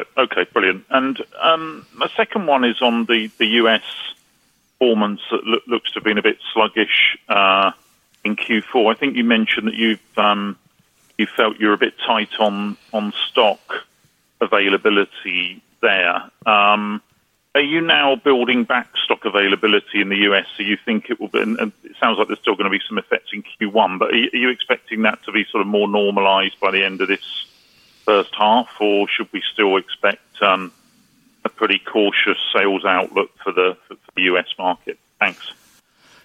Got it. Okay, brilliant. My second one is on the U.S. performance that looks to have been a bit sluggish in Q4. I think you mentioned that you felt you're a bit tight on stock availability there. Are you now building back stock availability in the U.S.? Do you think it will be? It sounds like there's still going to be some effects in Q1, but are you expecting that to be sort of more normalized by the end of this first half, or should we still expect a pretty cautious sales outlook for the U.S. market? Thanks.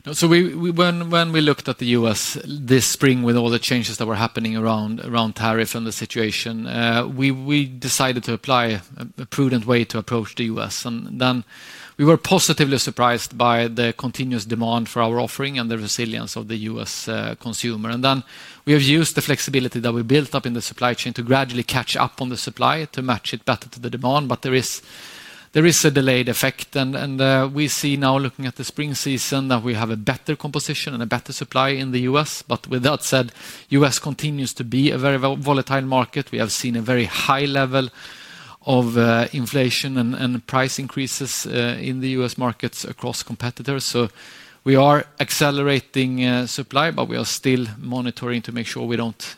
When we looked at the U.S. this spring with all the changes that were happening around tariffs and the situation, we decided to apply a prudent way to approach the U.S. Then we were positively surprised by the continuous demand for our offering and the resilience of the U.S. consumer. Then we have used the flexibility that we built up in the supply chain to gradually catch up on the supply to match it better to the demand. There is a delayed effect. We see now, looking at the spring season, that we have a better composition and a better supply in the U.S. With that said, the U.S. continues to be a very volatile market. We have seen a very high level of inflation and price increases in the U.S. markets across competitors. We are accelerating supply, but we are still monitoring to make sure we don't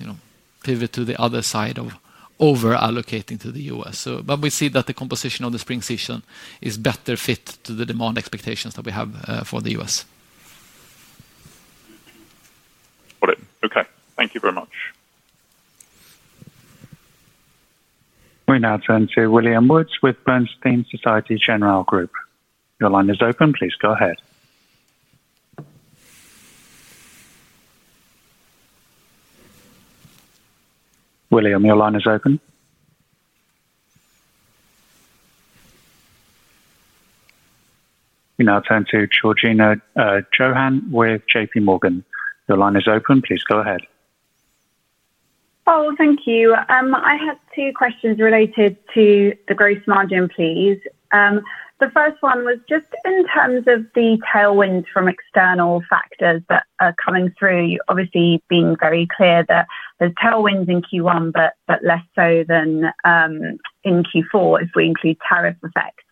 pivot to the other side of over-allocating to the U.S. But we see that the composition of the spring season is better fit to the demand expectations that we have for the U.S. Got it. Okay. Thank you very much. We now turn to William Woods with Bernstein Société Générale Group. Your line is open. Please go ahead. William, your line is open. We now turn to Georgina Johanan with JPMorgan. Your line is open. Please go ahead. Oh, thank you. I had two questions related to the gross margin, please. The first one was just in terms of the tailwinds from external factors that are coming through, obviously being very clear that there's tailwinds in Q1, but less so than in Q4 if we include tariff effects.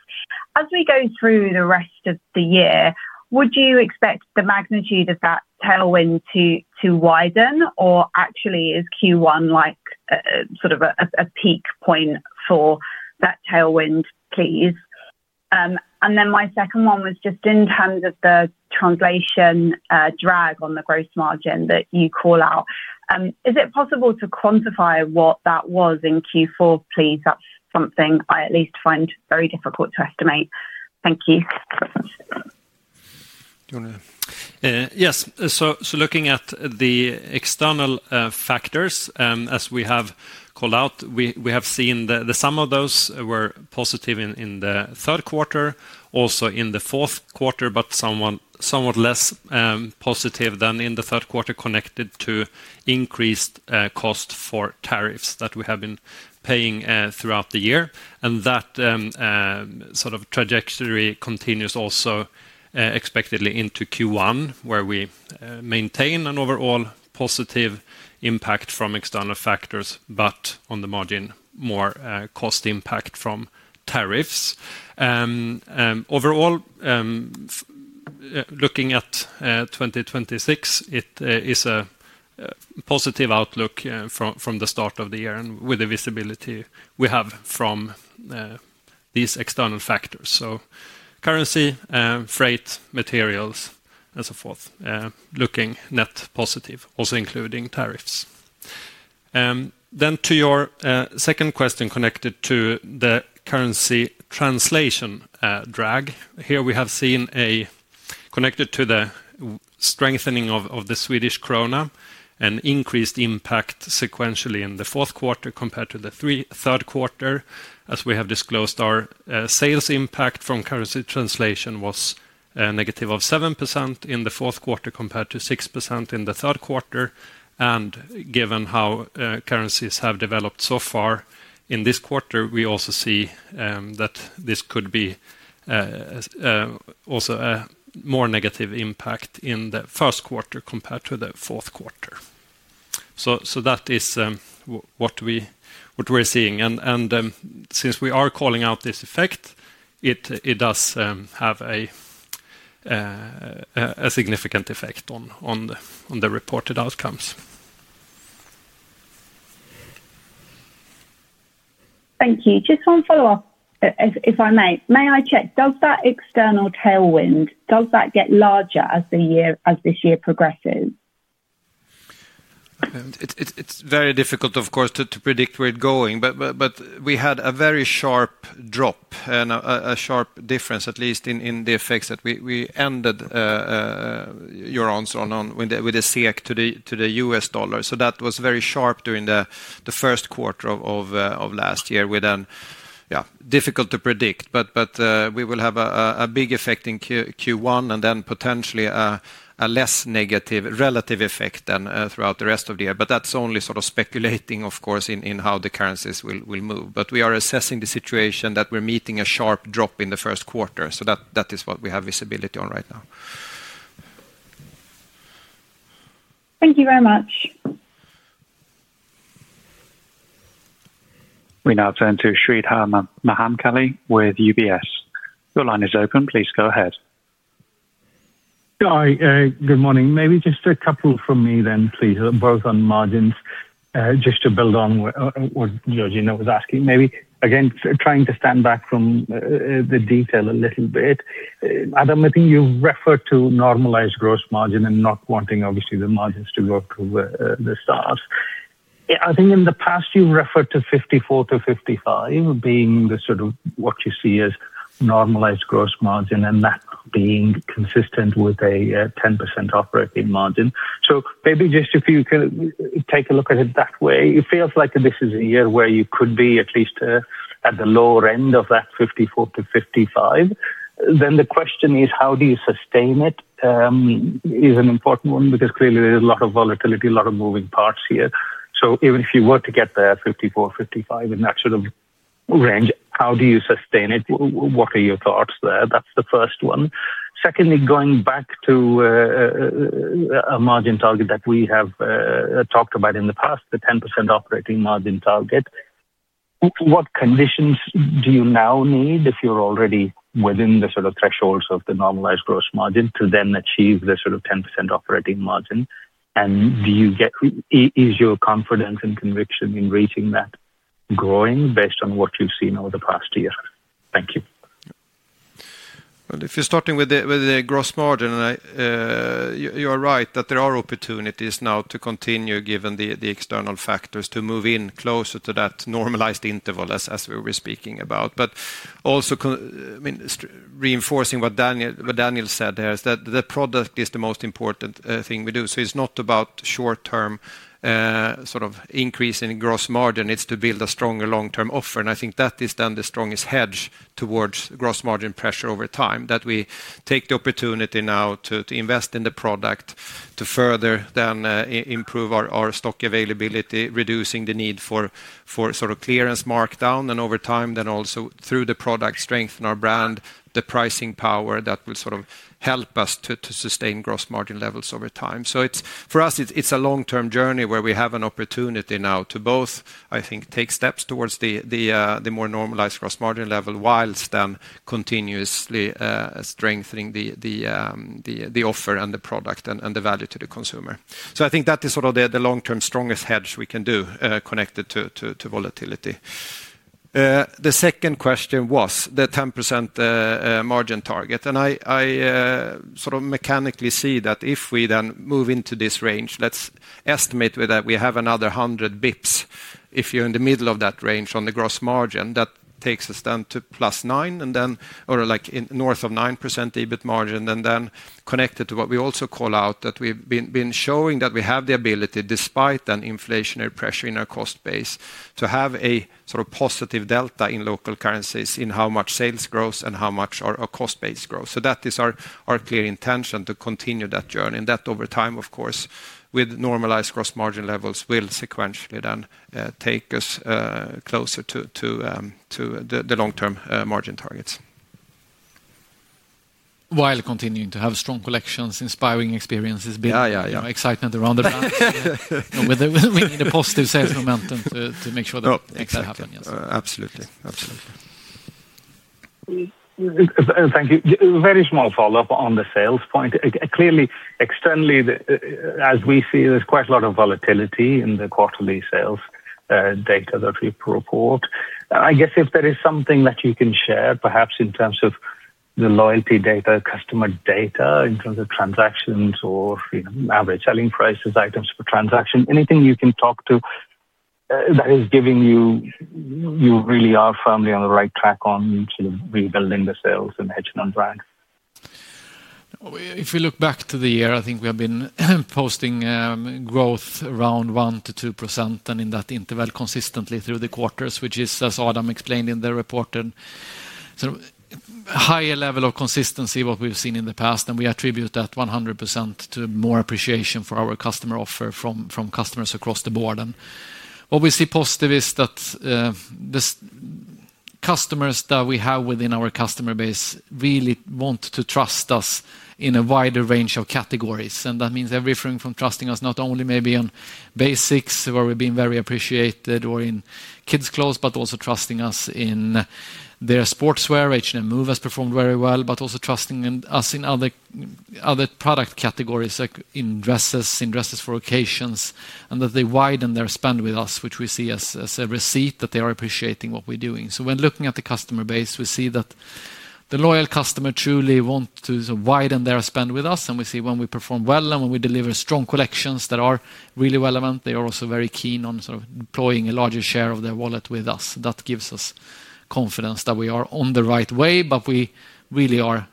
As we go through the rest of the year, would you expect the magnitude of that tailwind to widen, or actually is Q1 sort of a peak point for that tailwind, please? And then my second one was just in terms of the translation drag on the gross margin that you call out. Is it possible to quantify what that was in Q4, please? That's something I at least find very difficult to estimate. Thank you. Yes. So looking at the external factors, as we have called out, we have seen that some of those were positive in Q3, also in Q4, but somewhat less positive than in Q3 connected to increased cost for tariffs that we have been paying throughout the year. That sort of trajectory continues also expectedly into Q1, where we maintain an overall positive impact from external factors, but on the margin, more cost impact from tariffs. Overall, looking at 2026, it is a positive outlook from the start of the year and with the visibility we have from these external factors. Currency, freight, materials, and so forth, looking net positive, also including tariffs. To your second question connected to the currency translation drag, here we have seen a connected to the strengthening of the Swedish krona, an increased impact sequentially in Q4 compared to Q3. As we have disclosed, our sales impact from currency translation was negative of 7% in Q4 compared to 6% in Q3. Given how currencies have developed so far in this quarter, we also see that this could be also a more negative impact in Q1 compared to Q4. That is what we're seeing. Since we are calling out this effect, it does have a significant effect on the reported outcomes. Thank you. Just one follow-up, if I may. May I check? Does that external tailwind, does that get larger as this year progresses? It's very difficult, of course, to predict where it's going, but we had a very sharp drop and a sharp difference, at least in the effects that we ended the year on with the SEK to the U.S. dollar. That was very sharp during Q1 of last year. We then, yeah, difficult to predict, but we will have a big effect in Q1 and then potentially a less negative relative effect throughout the rest of the year. But that's only sort of speculating, of course, in how the currencies will move. But we are assessing the situation that we're meeting a sharp drop in Q1. So that is what we have visibility on right now. Thank you very much. We now turn to Sreedhar Mahamkali with UBS. Your line is open. Please go ahead. Hi, good morning. Maybe just a couple from me then, please, both on margins, just to build on what Georgina was asking. Maybe again, trying to stand back from the detail a little bit. Adam, I think you referred to normalized gross margin and not wanting, obviously, the margins to go to the stars. I think in the past, you've referred to 54%-55% being the sort of what you see as normalized gross margin and that being consistent with a 10% operating margin. So maybe just if you can take a look at it that way, it feels like this is a year where you could be at least at the lower end of that 54%-55%. Then the question is, how do you sustain it is an important one because clearly there's a lot of volatility, a lot of moving parts here. So even if you were to get there at 54%-55% in that sort of range, how do you sustain it? What are your thoughts there? That's the first one. Secondly, going back to a margin target that we have talked about in the past, the 10% operating margin target, what conditions do you now need if you're already within the sort of thresholds of the normalized gross margin to then achieve the sort of 10% operating margin? And is your confidence and conviction in reaching that growing based on what you've seen over the past year? Thank you. Well, if you're starting with the gross margin, you're right that there are opportunities now to continue, given the external factors, to move in closer to that normalized interval as we were speaking about. But also, reinforcing what Daniel said there, is that the product is the most important thing we do. So it's not about short-term sort of increasing gross margin. It's to build a stronger long-term offer. I think that is then the strongest hedge towards gross margin pressure over time, that we take the opportunity now to invest in the product to further then improve our stock availability, reducing the need for sort of clearance markdown. Over time, then also through the product, strengthen our brand, the pricing power that will sort of help us to sustain gross margin levels over time. For us, it's a long-term journey where we have an opportunity now to both, I think, take steps towards the more normalized gross margin level while then continuously strengthening the offer and the product and the value to the consumer. I think that is sort of the long-term strongest hedge we can do connected to volatility. The second question was the 10% margin target. I sort of mechanically see that if we then move into this range, let's estimate that we have another 100 basis points. If you're in the middle of that range on the gross margin, that takes us then to plus 9% or north of 9% EBIT margin. And then connected to what we also call out that we've been showing that we have the ability, despite then inflationary pressure in our cost base, to have a sort of positive delta in local currencies in how much sales grows and how much our cost base grows. So that is our clear intention to continue that journey. And that, over time, of course, with normalized gross margin levels, will sequentially then take us closer to the long-term margin targets. While continuing to have strong collections, inspiring experiences, big excitement around the brand, we need a positive sales momentum to make sure that things happen. Absolutely. Absolutely. Thank you. Very small follow-up on the sales point. Clearly, externally, as we see, there's quite a lot of volatility in the quarterly sales data that we report. I guess if there is something that you can share, perhaps in terms of the loyalty data, customer data, in terms of transactions or average selling prices, items per transaction, anything you can talk to that is giving you really are firmly on the right track on sort of rebuilding the sales and building the brand? If we look back to the year, I think we have been posting growth around 1%-2% and in that interval consistently through the quarters, which is, as Adam explained in the report, a higher level of consistency of what we've seen in the past. We attribute that 100% to more appreciation for our customer offer from customers across the board. What we see positive is that the customers that we have within our customer base really want to trust us in a wider range of categories. That means everything from trusting us not only maybe on basics, where we've been very appreciated, or in kids' clothes, but also trusting us in their sportswear. H&M Move has performed very well, but also trusting us in other product categories like in dresses, in dresses for occasions, and that they widen their spend with us, which we see as a receipt that they are appreciating what we're doing. So when looking at the customer base, we see that the loyal customer truly wants to widen their spend with us. And we see when we perform well and when we deliver strong collections that are really relevant, they are also very keen on sort of deploying a larger share of their wallet with us. That gives us confidence that we are on the right way, but we really are,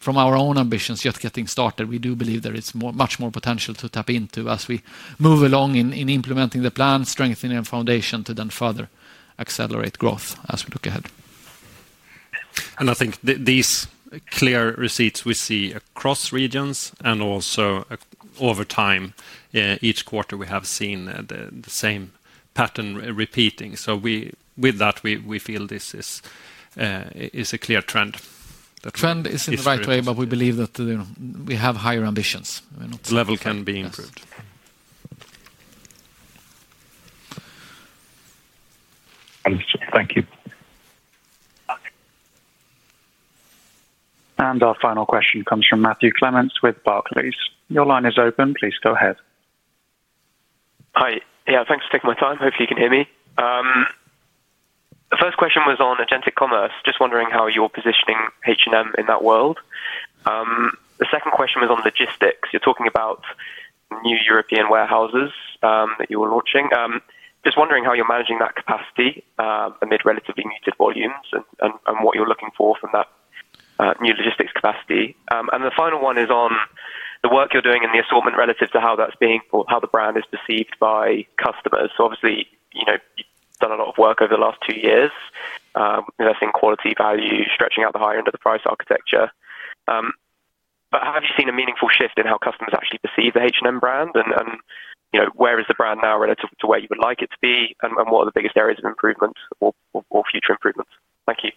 from our own ambitions, just getting started. We do believe there is much more potential to tap into as we move along in implementing the plan, strengthening the foundation to then further accelerate growth as we look ahead. I think these clear receipts we see across regions and also over time, each quarter, we have seen the same pattern repeating. So with that, we feel this is a clear trend. The trend is in the right way, but we believe that we have higher ambitions. The level can be improved. Thank you. Our final question comes from Matthew Clements with Barclays. Your line is open. Please go ahead. Hi. Yeah, thanks for taking my time. Hopefully, you can hear me. The first question was on agentic commerce. Just wondering how you're positioning H&M in that world. The second question was on logistics. You're talking about new European warehouses that you were launching. Just wondering how you're managing that capacity amid relatively muted volumes and what you're looking for from that new logistics capacity. And the final one is on the work you're doing in the assortment relative to how that's being how the brand is perceived by customers. So obviously, you've done a lot of work over the last two years, investing in quality, value, stretching out the higher end of the price architecture. But have you seen a meaningful shift in how customers actually perceive the H&M brand? And where is the brand now relative to where you would like it to be? And what are the biggest areas of improvement or future improvements? Thank you.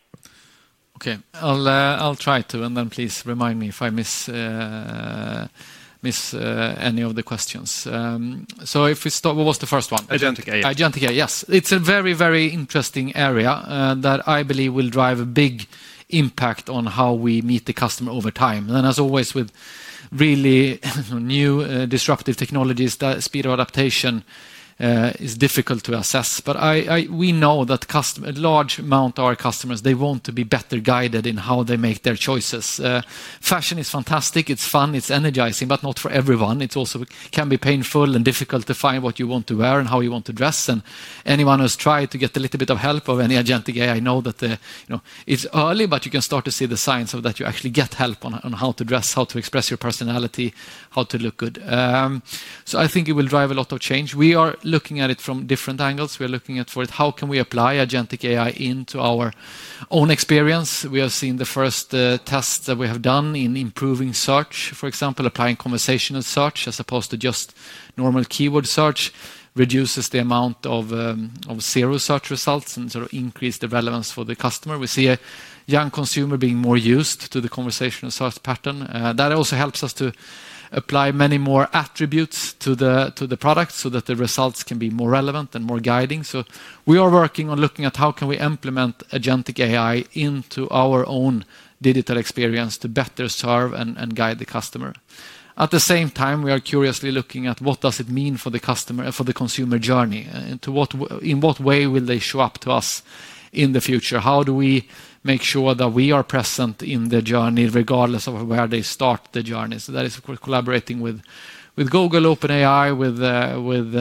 Okay. I'll try to. And then please remind me if I miss any of the questions. So if we start, what was the first one? Agentic AI. Agentic AI, yes. It's a very, very interesting area that I believe will drive a big impact on how we meet the customer over time. As always, with really new disruptive technologies, the speed of adaptation is difficult to assess. But we know that a large amount of our customers, they want to be better guided in how they make their choices. Fashion is fantastic. It's fun. It's energizing, but not for everyone. It also can be painful and difficult to find what you want to wear and how you want to dress. Anyone who's tried to get a little bit of help in the agentic AI era, I know that it's early, but you can start to see the signs of that you actually get help on how to dress, how to express your personality, how to look good. So I think it will drive a lot of change. We are looking at it from different angles. We are looking at, for it, how can we apply agentic AI into our own experience? We have seen the first tests that we have done in improving search, for example, applying conversational search as opposed to just normal keyword search, reduces the amount of zero search results and sort of increase the relevance for the customer. We see a young consumer being more used to the conversational search pattern. That also helps us to apply many more attributes to the product so that the results can be more relevant and more guiding. So we are working on looking at how can we implement agentic AI into our own digital experience to better serve and guide the customer. At the same time, we are curiously looking at what does it mean for the customer and for the consumer journey? In what way will they show up to us in the future? How do we make sure that we are present in the journey regardless of where they start the journey? So that is collaborating with Google, OpenAI, with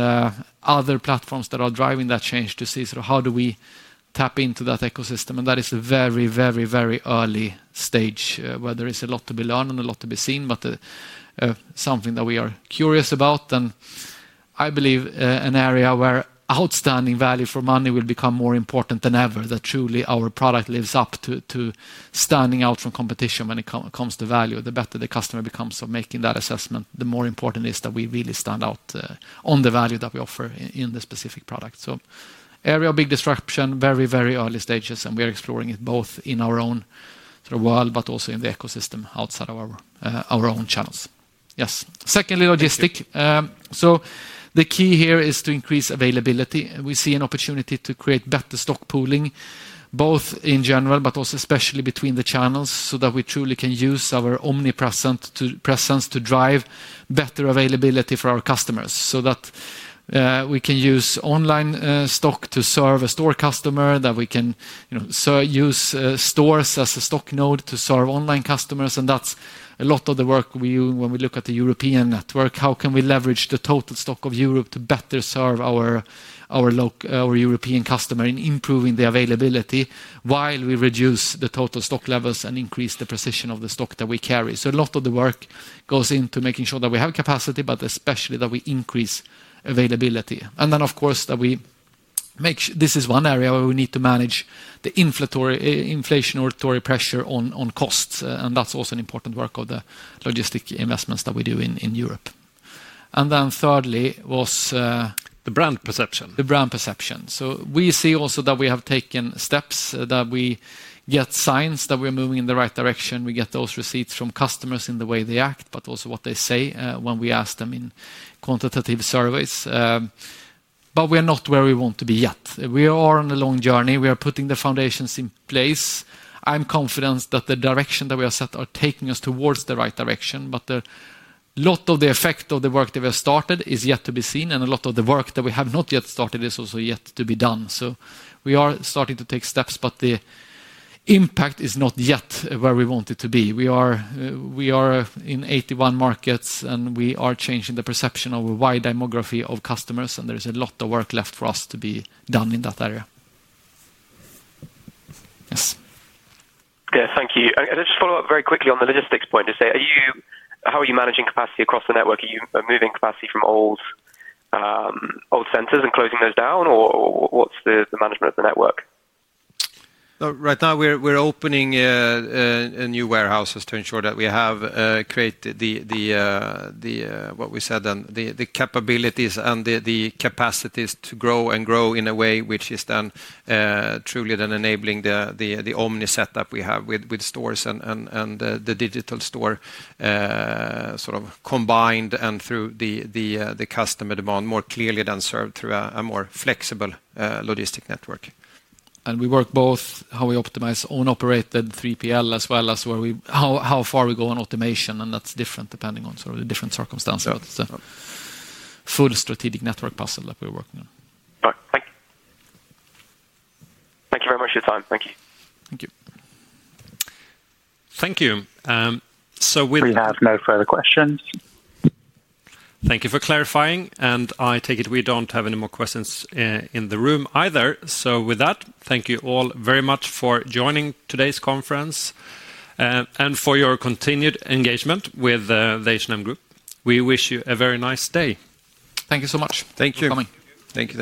other platforms that are driving that change to see sort of how do we tap into that ecosystem. And that is a very, very, very early stage where there is a lot to be learned and a lot to be seen, but something that we are curious about. And I believe an area where outstanding value for money will become more important than ever, that truly our product lives up to standing out from competition when it comes to value. The better the customer becomes of making that assessment, the more important it is that we really stand out on the value that we offer in the specific product. An area of big disruption, very, very early stages, and we are exploring it both in our own sort of world, but also in the ecosystem outside of our own channels. Yes. Secondly, logistics. So the key here is to increase availability. We see an opportunity to create better stock pooling, both in general, but also especially between the channels so that we truly can use our omnipresence to drive better availability for our customers so that we can use online stock to serve a store customer, that we can use stores as a stock node to serve online customers. That's a lot of the work we do when we look at the European network. How can we leverage the total stock of Europe to better serve our European customer in improving the availability while we reduce the total stock levels and increase the precision of the stock that we carry? So a lot of the work goes into making sure that we have capacity, but especially that we increase availability. And then, of course, that we make this is one area where we need to manage the inflationary pressure on costs. And that's also an important work of the logistics investments that we do in Europe. And then thirdly was the brand perception. The brand perception. So we see also that we have taken steps that we get signs that we are moving in the right direction. We get those receipts from customers in the way they act, but also what they say when we ask them in quantitative surveys. But we are not where we want to be yet. We are on a long journey. We are putting the foundations in place. I'm confident that the direction that we have set are taking us towards the right direction. But a lot of the effect of the work that we have started is yet to be seen. And a lot of the work that we have not yet started is also yet to be done. So we are starting to take steps, but the impact is not yet where we want it to be. We are in 81 markets, and we are changing the perception of a wide demography of customers. And there is a lot of work left for us to be done in that area. Yes. Okay. Thank you. And I just follow up very quickly on the logistics point. How are you managing capacity across the network? Are you moving capacity from old centers and closing those down? Or what's the management of the network? Right now, we're opening a new warehouse just to ensure that we have created what we said then, the capabilities and the capacities to grow and grow in a way which is then truly then enabling the omni setup we have with stores and the digital store sort of combined and through the customer demand more clearly than served through a more flexible logistic network. We work both how we optimize own operated 3PL as well as how far we go on automation. That's different depending on sort of the different circumstances. But it's a full strategic network puzzle that we're working on. Thank you. Thank you very much for your time. Thank you. Thank you. Thank you. So— We have no further questions. Thank you for clarifying. I take it we don't have any more questions in the room either. With that, thank you all very much for joining today's conference and for your continued engagement with the H&M Group. We wish you a very nice day. Thank you so much. Thank you for coming. Thank you.